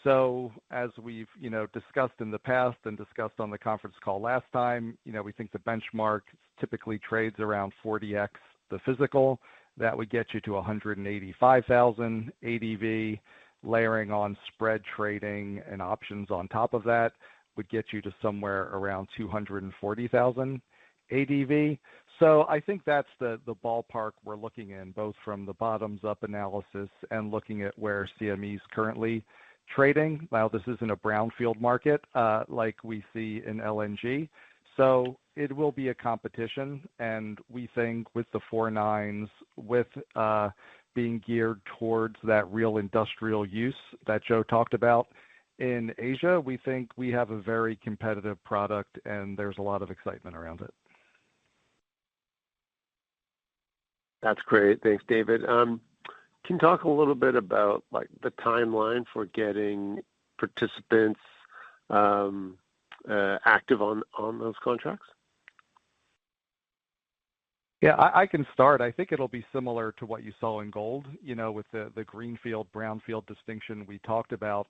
Speaker 3: As we've discussed in the past and discussed on the conference call last time, we think the benchmark typically trades around 40x the physical. That would get you to 185,000 ADV. Layering on spread trading and options on top of that would get you to somewhere around 240,000 ADV. I think that's the ballpark we're looking in, both from the bottoms-up analysis and looking at where CME is currently trading. While this isn't a brownfield market like we see in LNG, so it will be a competition. We think with the four nines, with being geared towards that real industrial use that Joe talked about in Asia, we think we have a very competitive product, and there's a lot of excitement around it.
Speaker 9: That is great. Thanks, David. Can you talk a little bit about the timeline for getting participants active on those contracts?
Speaker 3: Yeah, I can start. I think it'll be similar to what you saw in gold, with the greenfield/brownfield distinction we talked about.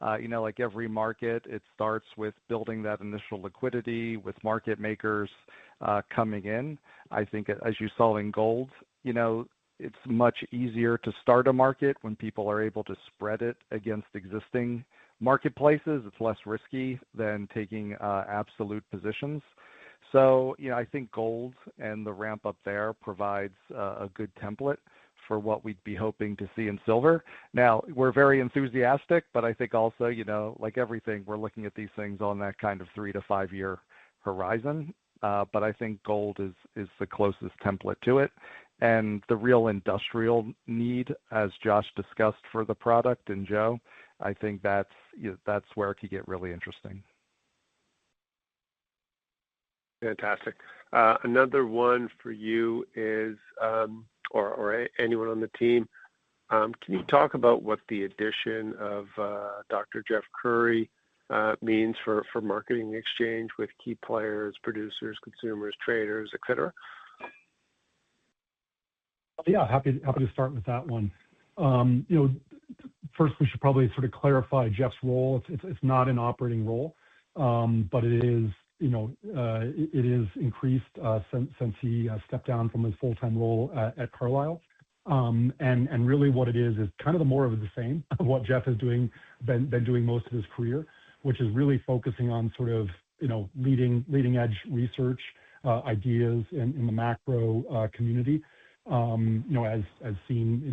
Speaker 3: Like every market, it starts with building that initial liquidity with market makers coming in. I think as you saw in gold, it's much easier to start a market when people are able to spread it against existing marketplaces. It's less risky than taking absolute positions. I think gold and the ramp-up there provides a good template for what we'd be hoping to see in silver. Now, we're very enthusiastic, but I think also, like everything, we're looking at these things on that kind of three- to five-year horizon. I think gold is the closest template to it. The real industrial need, as Josh discussed for the product, and Joe, I think that's where it could get really interesting.
Speaker 9: Fantastic. Another one for you is, or anyone on the team, can you talk about what the addition of Dr. Jeff Currie means for Abaxx Exchange with key players, producers, consumers, traders, et cetera?
Speaker 5: Happy to start with that one. First, we should probably sort of clarify Jeff's role. It's not an operating role, it is increased since he stepped down from his full-time role at Carlyle. Really what it is kind of more of the same of what Jeff has been doing most of his career, which is really focusing on sort of leading-edge research ideas in the macro community. As seen in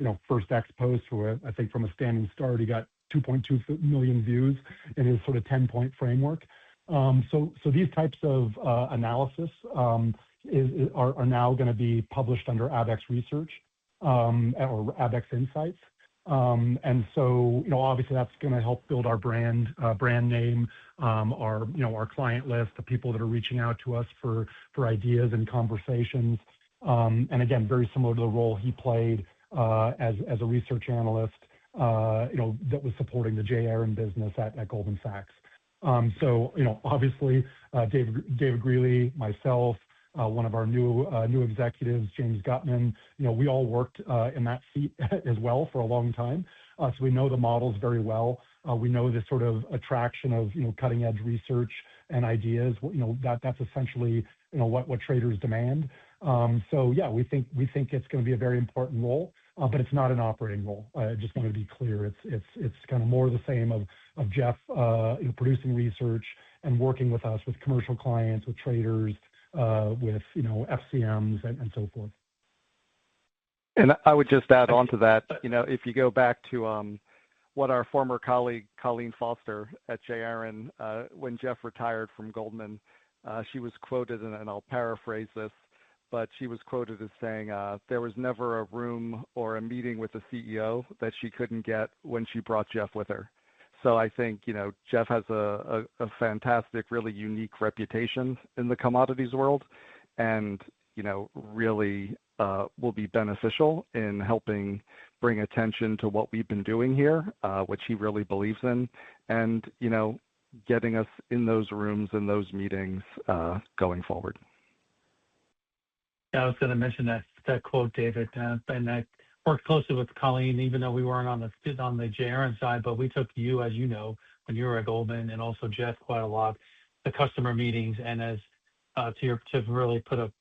Speaker 5: his first X post, where I think from a standing start, he got 2.2 million views in his sort of 10-point framework. These types of analysis are now going to be published under Abaxx Research or Abaxx Insights. Obviously that's going to help build our brand name, our client list, the people that are reaching out to us for ideas and conversations. Again, very similar to the role he played as a research analyst that was supporting the J. Aron business at Goldman Sachs. Obviously, Dave Greely, myself, one of our new executives, James Gutman, we all worked in that seat as well for a long time. We know the models very well. We know the sort of attraction of cutting-edge research and ideas. That's essentially what traders demand. Yeah, we think it's going to be a very important role, but it's not an operating role. I just want to be clear. It's kind of more of the same of Jeff Currie producing research and working with us, with commercial clients, with traders, with FCMs, and so forth.
Speaker 3: I would just add onto that. If you go back to what our former colleague, Colleen Foster, at J. Aron, when Jeff retired from Goldman, she was quoted, and I'll paraphrase this, but she was quoted as saying, there was never a room or a meeting with the CEO that she couldn't get when she brought Jeff with her. I think Jeff has a fantastic, really unique reputation in the commodities world, and really will be beneficial in helping bring attention to what we've been doing here, which he really believes in. Getting us in those rooms and those meetings going forward.
Speaker 4: Yeah, I was going to mention that quote, David Greely. I worked closely with Colleen Foster, even though we weren't on the J. Aron side, but we took you, as you know, when you were at Goldman Sachs and also Jeff Currie quite a lot, to customer meetings and to really put a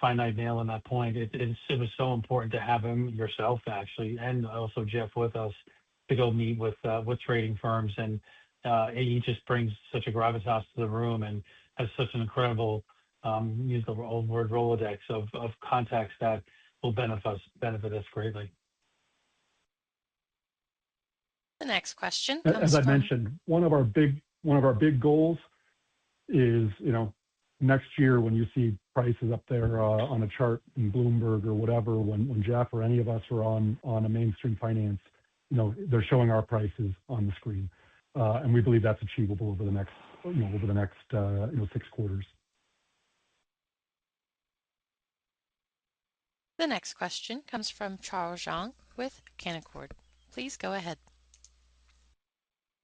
Speaker 4: finite nail in that point. It was so important to have him, yourself actually, and also Jeff Currie with us to go meet with trading firms. He just brings such a gravitas to the room and has such an incredible, use of an old word, Rolodex of contacts that will benefit us greatly.
Speaker 1: The next question comes from-
Speaker 5: As I mentioned, one of our big goals is, next year when you see prices up there on a chart in Bloomberg or whatever, when Jeff or any of us are on a mainstream finance, they're showing our prices on the screen. We believe that's achievable over the next six quarters.
Speaker 1: The next question comes from Charles Zhang with Canaccord. Please go ahead.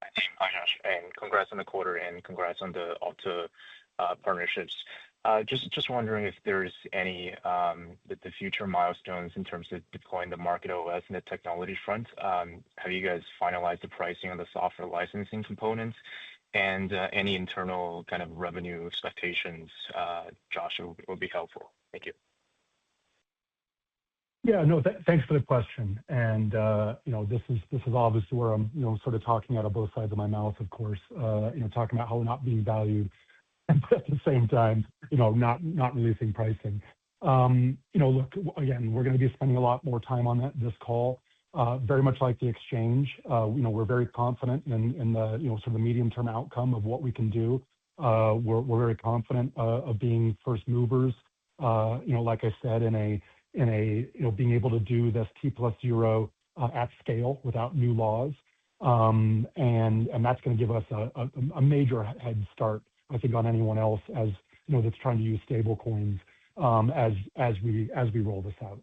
Speaker 10: Hi, Josh, congrats on the quarter and congrats on the Alta partnerships. Just wondering if there is any future milestones in terms of deploying the MarketOS and the technology front. Have you guys finalized the pricing on the software licensing components? Any internal kind of revenue expectations, Josh, would be helpful. Thank you.
Speaker 5: No, thanks for the question. This is obviously where I'm sort of talking out of both sides of my mouth, of course, talking about how we're not being valued, but at the same time, not releasing pricing. Look, again, we're going to be spending a lot more time on that this call. Very much like the exchange, we're very confident in the sort of medium-term outcome of what we can do. We're very confident of being first movers. Like I said, in being able to do this T+0 at scale without new laws. That's going to give us a major head start, I think, on anyone else as that's trying to use stable coins as we roll this out.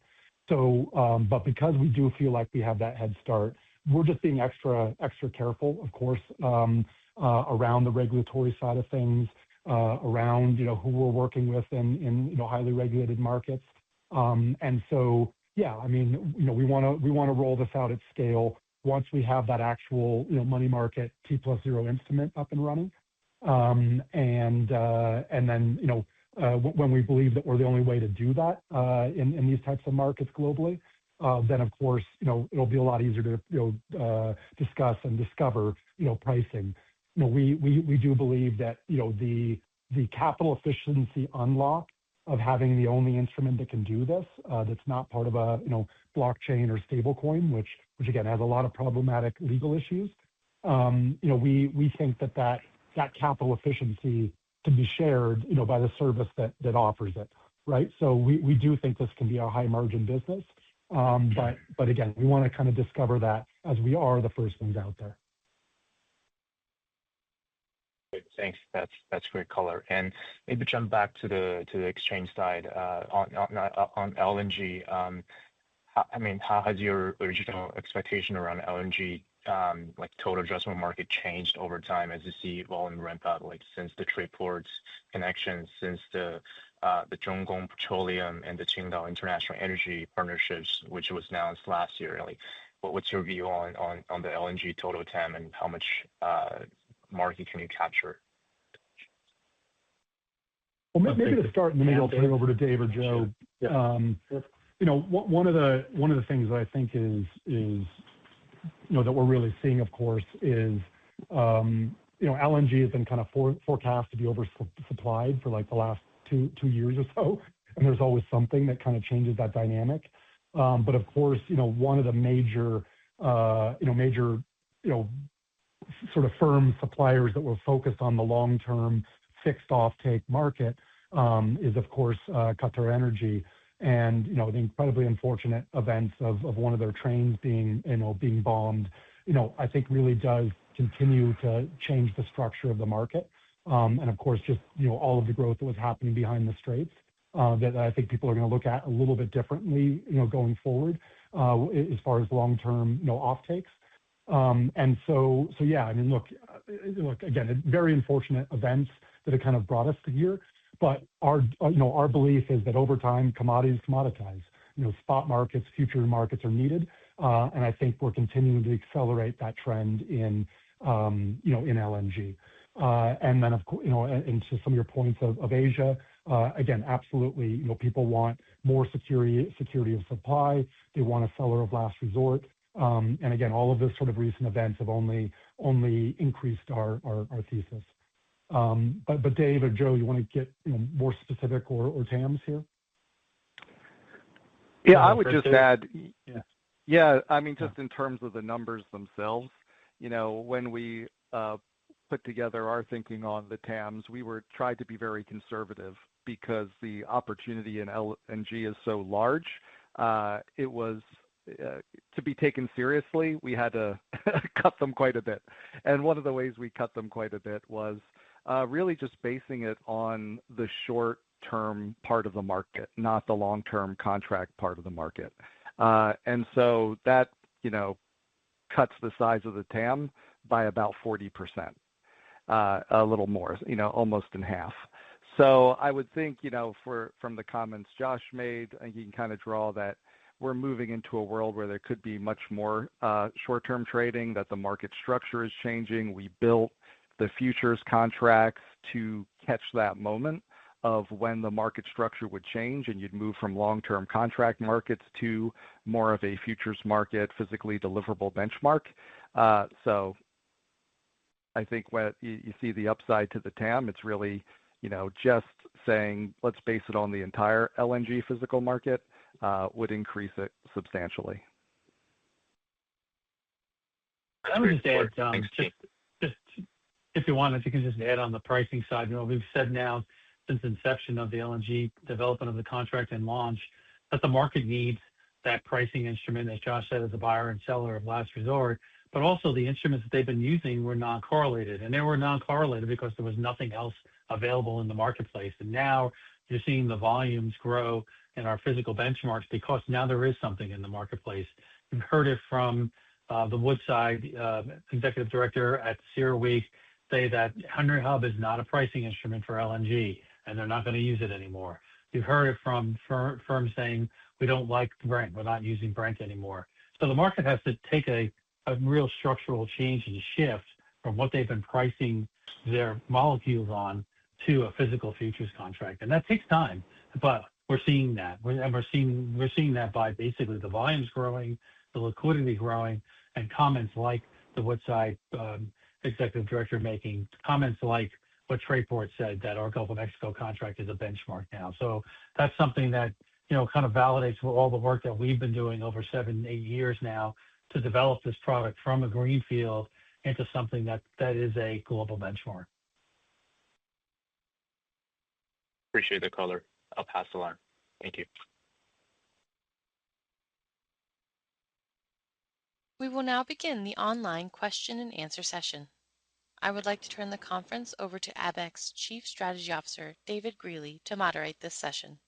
Speaker 5: Because we do feel like we have that head start, we're just being extra careful, of course, around the regulatory side of things, around who we're working with in highly regulated markets. Yeah. We want to roll this out at scale once we have that actual money market T+0 instrument up and running. When we believe that we're the only way to do that in these types of markets globally, then of course, it'll be a lot easier to discuss and discover pricing. We do believe that the capital efficiency unlock of having the only instrument that can do this that's not part of a blockchain or stablecoin, which again, has a lot of problematic legal issues. We think that that capital efficiency can be shared by the service that offers it. Right? We do think this can be a high-margin business. Again, we want to kind of discover that as we are the first ones out there.
Speaker 10: Great. Thanks. That's great color. Maybe jump back to the exchange side. On LNG, how has your original expectation around LNG, like total addressable market changed over time as you see volume ramp up, like since the Trayport connections, since the Zhonggong Petroleum and the Qingdao International Energy partnerships, which was announced last year. What's your view on the LNG total TAM and how much market can you capture?
Speaker 5: Well, maybe to start, and then maybe I'll turn it over to David or Joe.
Speaker 10: Yeah. Sure.
Speaker 5: One of the things that I think that we're really seeing, of course, is LNG has been kind of forecast to be over-supplied for the last two years or so. There's always something that kind of changes that dynamic. Of course, one of the major sort of firm suppliers that we're focused on the long-term fixed offtake market is, of course, QatarEnergy. The incredibly unfortunate events of one of their trains being bombed, I think really does continue to change the structure of the market. Of course, just all of the growth that was happening behind the straits that I think people are going to look at a little bit differently going forward as far as long-term offtakes. Yeah, look again, very unfortunate events that have kind of brought us to here. Our belief is that over time, commodities commoditize. Spot markets, future markets are needed. I think we're continuing to accelerate that trend in LNG. Into some of your points of Asia, again, absolutely, people want more security of supply. They want a seller of last resort. Again, all of the sort of recent events have only increased our thesis. Dave or Joe, you want to get more specific or TAMS here?
Speaker 3: Yeah, I would just add.
Speaker 5: Yeah
Speaker 3: Just in terms of the numbers themselves, when we put together our thinking on the TAMs, we tried to be very conservative because the opportunity in LNG is so large. To be taken seriously, we had to cut them quite a bit. One of the ways we cut them quite a bit was really just basing it on the short-term part of the market, not the long-term contract part of the market. That cuts the size of the TAM by about 40%, a little more, almost in half. I would think from the comments Josh made, you can kind of draw that we're moving into a world where there could be much more short-term trading, that the market structure is changing. We built the futures contracts to catch that moment of when the market structure would change, and you'd move from long-term contract markets to more of a futures market physically deliverable benchmark. I think when you see the upside to the TAM, it's really just saying let's base it on the entire LNG physical market would increase it substantially.
Speaker 10: Great. Thanks.
Speaker 4: I would just add, just if you want, if you can just add on the pricing side. We've said now since inception of the LNG development of the contract and launch that the market needs. That pricing instrument, as Josh said, is a buyer and seller of last resort, but also the instruments that they've been using were non-correlated. They were non-correlated because there was nothing else available in the marketplace. Now you're seeing the volumes grow in our physical benchmarks because now there is something in the marketplace. You've heard it from the Woodside executive director at CERAWeek say that Henry Hub is not a pricing instrument for LNG, and they're not going to use it anymore. You've heard it from firms saying, "We don't like Brent. We're not using Brent anymore." The market has to take a real structural change and shift from what they've been pricing their molecules on to a physical futures contract. That takes time, but we're seeing that. We're seeing that by basically the volumes growing, the liquidity growing, and comments like the Woodside executive director making comments like what Trayport said, that our Gulf of Mexico contract is a benchmark now. That's something that kind of validates all the work that we've been doing over seven, eight years now to develop this product from a greenfield into something that is a global benchmark.
Speaker 10: Appreciate the color. I'll pass it along. Thank you.
Speaker 1: We will now begin the online question and answer session. I would like to turn the conference over to Abaxx Chief Strategy Officer, David Greely, to moderate this session.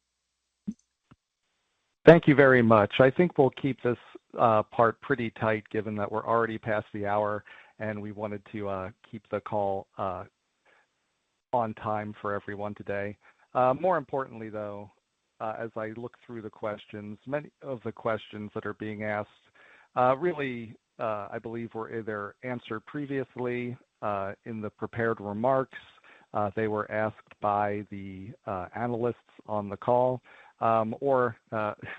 Speaker 3: Thank you very much. I think we'll keep this part pretty tight given that we're already past the hour, and we wanted to keep the call on time for everyone today. More importantly, though, as I look through the questions, many of the questions that are being asked really, I believe were either answered previously, in the prepared remarks, they were asked by the analysts on the call, or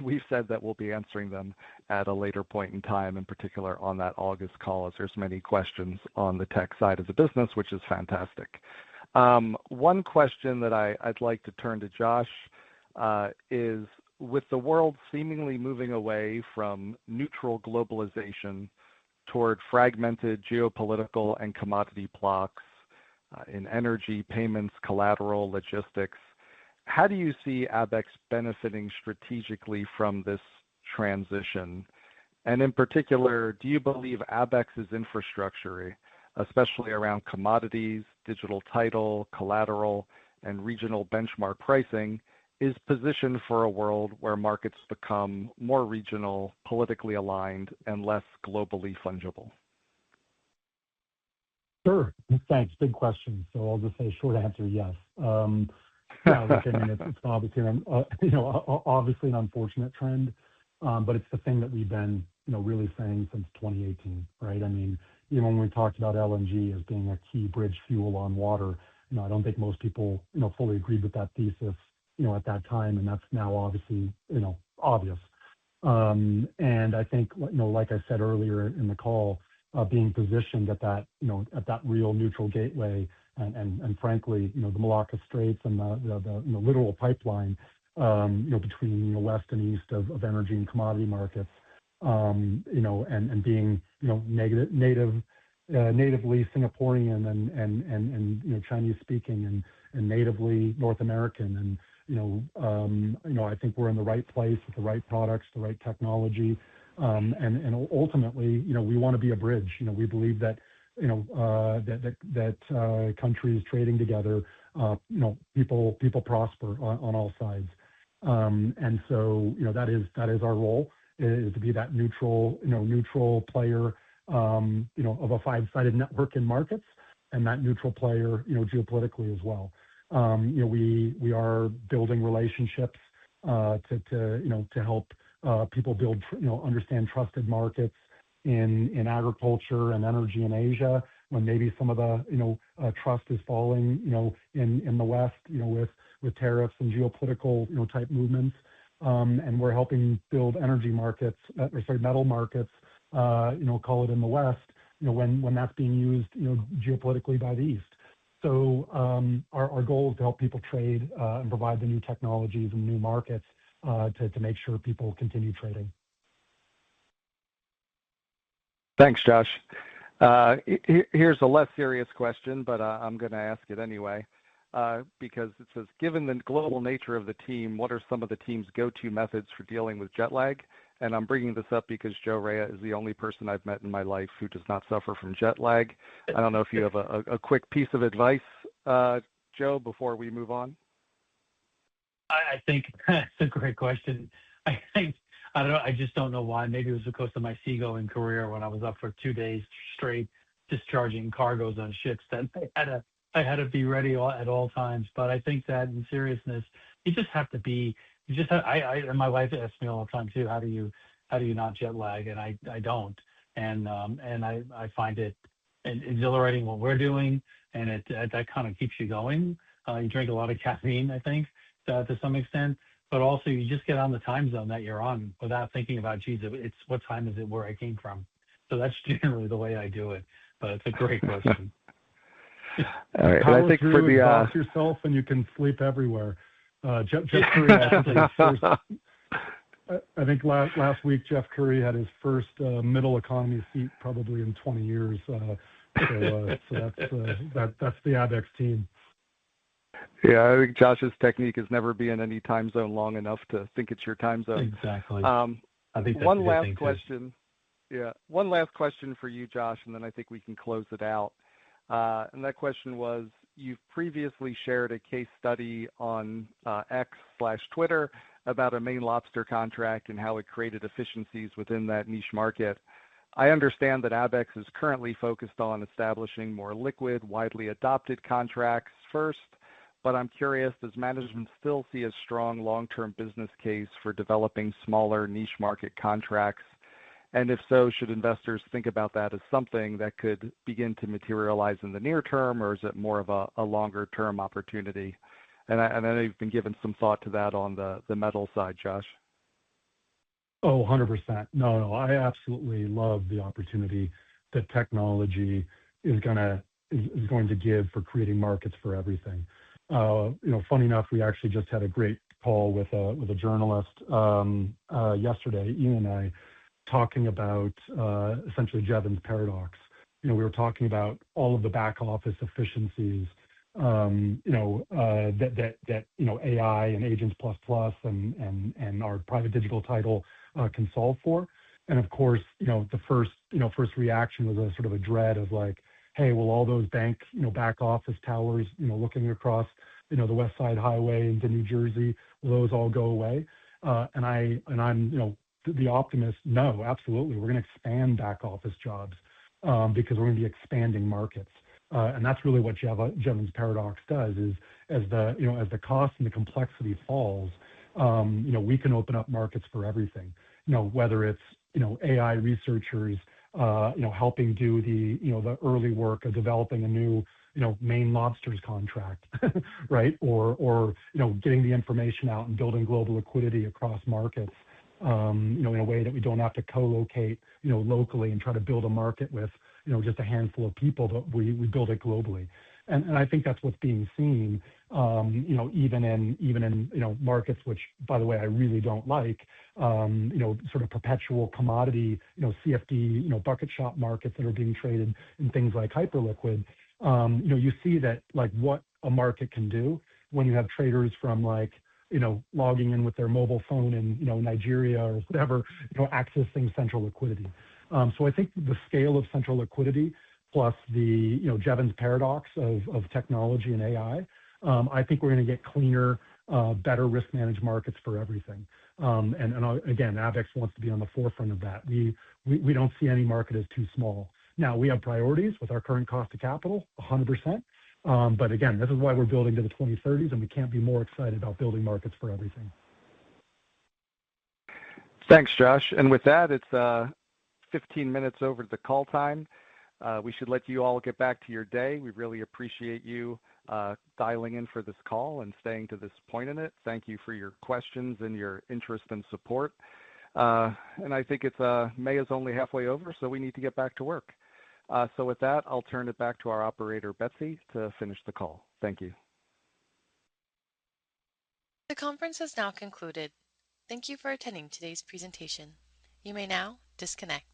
Speaker 3: we've said that we'll be answering them at a later point in time, in particular on that August call, as there's many questions on the tech side of the business, which is fantastic. One question that I'd like to turn to Josh is, with the world seemingly moving away from neutral globalization toward fragmented geopolitical and commodity blocks in energy payments, collateral, logistics, how do you see Abaxx benefiting strategically from this transition? In particular, do you believe Abaxx's infrastructure, especially around commodities, digital title, collateral, and regional benchmark pricing, is positioned for a world where markets become more regional, politically aligned, and less globally fungible?
Speaker 5: Sure. Thanks. Big question. I'll just say short answer, yes. I mean, it's obviously an unfortunate trend, but it's the thing that we've been really saying since 2018, right? Even when we talked about LNG as being a key bridge fuel on water, I don't think most people fully agreed with that thesis at that time, and that's now obviously obvious. I think, like I said earlier in the call, being positioned at that real neutral gateway and frankly, the Malacca Straits and the literal pipeline between the West and East of energy and commodity markets, and being natively Singaporean and Chinese speaking, and natively North American, I think we're in the right place with the right products, the right technology. Ultimately, we want to be a bridge. We believe that countries trading together, people prosper on all sides. That is our role, is to be that neutral player of a five-sided network in markets, and that neutral player geopolitically as well. We are building relationships to help people build, understand trusted markets in agriculture and energy in Asia, when maybe some of the trust is falling in the West, with tariffs and geopolitical type movements. We're helping build energy markets, or sorry, metal markets, call it in the West, when that's being used geopolitically by the East. Our goal is to help people trade, and provide the new technologies and new markets, to make sure people continue trading.
Speaker 3: Thanks, Josh. Here's a less serious question, but I'm going to ask it anyway. It says, given the global nature of the team, what are some of the team's go-to methods for dealing with jet lag? I'm bringing this up because Joe Raia is the only person I've met in my life who does not suffer from jet lag. I don't know if you have a quick piece of advice, Joe, before we move on.
Speaker 4: I think that's a great question. I think I just don't know why. Maybe it was because of my seagoing career when I was up for two days straight discharging cargoes on ships, and I had to be ready at all times. I think that in seriousness, and my wife asks me all the time, too, "How do you not jet lag?" I don't. I find it exhilarating what we're doing, and that kind of keeps you going. You drink a lot of caffeine, I think, to some extent, but also you just get on the time zone that you're on without thinking about, "Geez, what time is it where I came from?" That's generally the way I do it, but it's a great question.
Speaker 3: All right. Well, I think for me.
Speaker 5: Jeff Currie will ask yourself, and you can sleep everywhere. Jeff Currie actually, I think last week Jeff Currie had his first middle economy seat probably in 20 years. That's the Abaxx team.
Speaker 3: Yeah, I think Josh's technique is never be in any time zone long enough to think it's your time zone.
Speaker 5: Exactly. I think that's a good thing, too.
Speaker 3: One last question for you, Josh, and then I think we can close it out. That question was, you've previously shared a case study on X/Twitter about a Maine lobster contract and how it created efficiencies within that niche market. I understand that Abaxx is currently focused on establishing more liquid, widely adopted contracts first. I'm curious, does management still see a strong long-term business case for developing smaller niche market contracts? If so, should investors think about that as something that could begin to materialize in the near term, or is it more of a longer-term opportunity? I know you've been giving some thought to that on the metal side, Josh.
Speaker 5: 100%. I absolutely love the opportunity that technology is going to give for creating markets for everything. Funny enough, we actually just had a great call with a journalist yesterday, Ian and I, talking about essentially Jevons paradox. We were talking about all of the back office efficiencies that AI and Agents++ and our private digital title can solve for. Of course, the first reaction was a sort of a dread of like, "Hey, will all those bank back office towers looking across the West Side Highway into New Jersey, will those all go away." I'm the optimist. Absolutely. We're going to expand back office jobs because we're going to be expanding markets. That's really what Jevons paradox does is as the cost and the complexity falls, we can open up markets for everything. Whether it's AI researchers helping do the early work of developing a new Maine lobsters contract, right? Getting the information out and building global liquidity across markets in a way that we don't have to co-locate locally and try to build a market with just a handful of people, but we build it globally. I think that's what's being seen even in markets, which, by the way, I really don't like, sort of perpetual commodity, CFD, bucket shop markets that are being traded in things like Hyperliquid. You see that, like what a market can do when you have traders from logging in with their mobile phone in Nigeria or whatever, accessing central liquidity. I think the scale of central liquidity plus the Jevons paradox of technology and AI, I think we're going to get cleaner, better risk managed markets for everything. Again, Abaxx wants to be on the forefront of that. We don't see any market as too small. Now, we have priorities with our current cost of capital, 100%. Again, this is why we're building to the 2030s, and we can't be more excited about building markets for everything.
Speaker 3: Thanks, Josh. With that, it's 15 minutes over the call time. We should let you all get back to your day. We really appreciate you dialing in for this call and staying to this point in it. Thank you for your questions and your interest and support. I think May is only halfway over, so we need to get back to work. With that, I'll turn it back to our operator, Betsy, to finish the call. Thank you.
Speaker 1: The conference has now concluded. Thank you for attending today's presentation. You may now disconnect.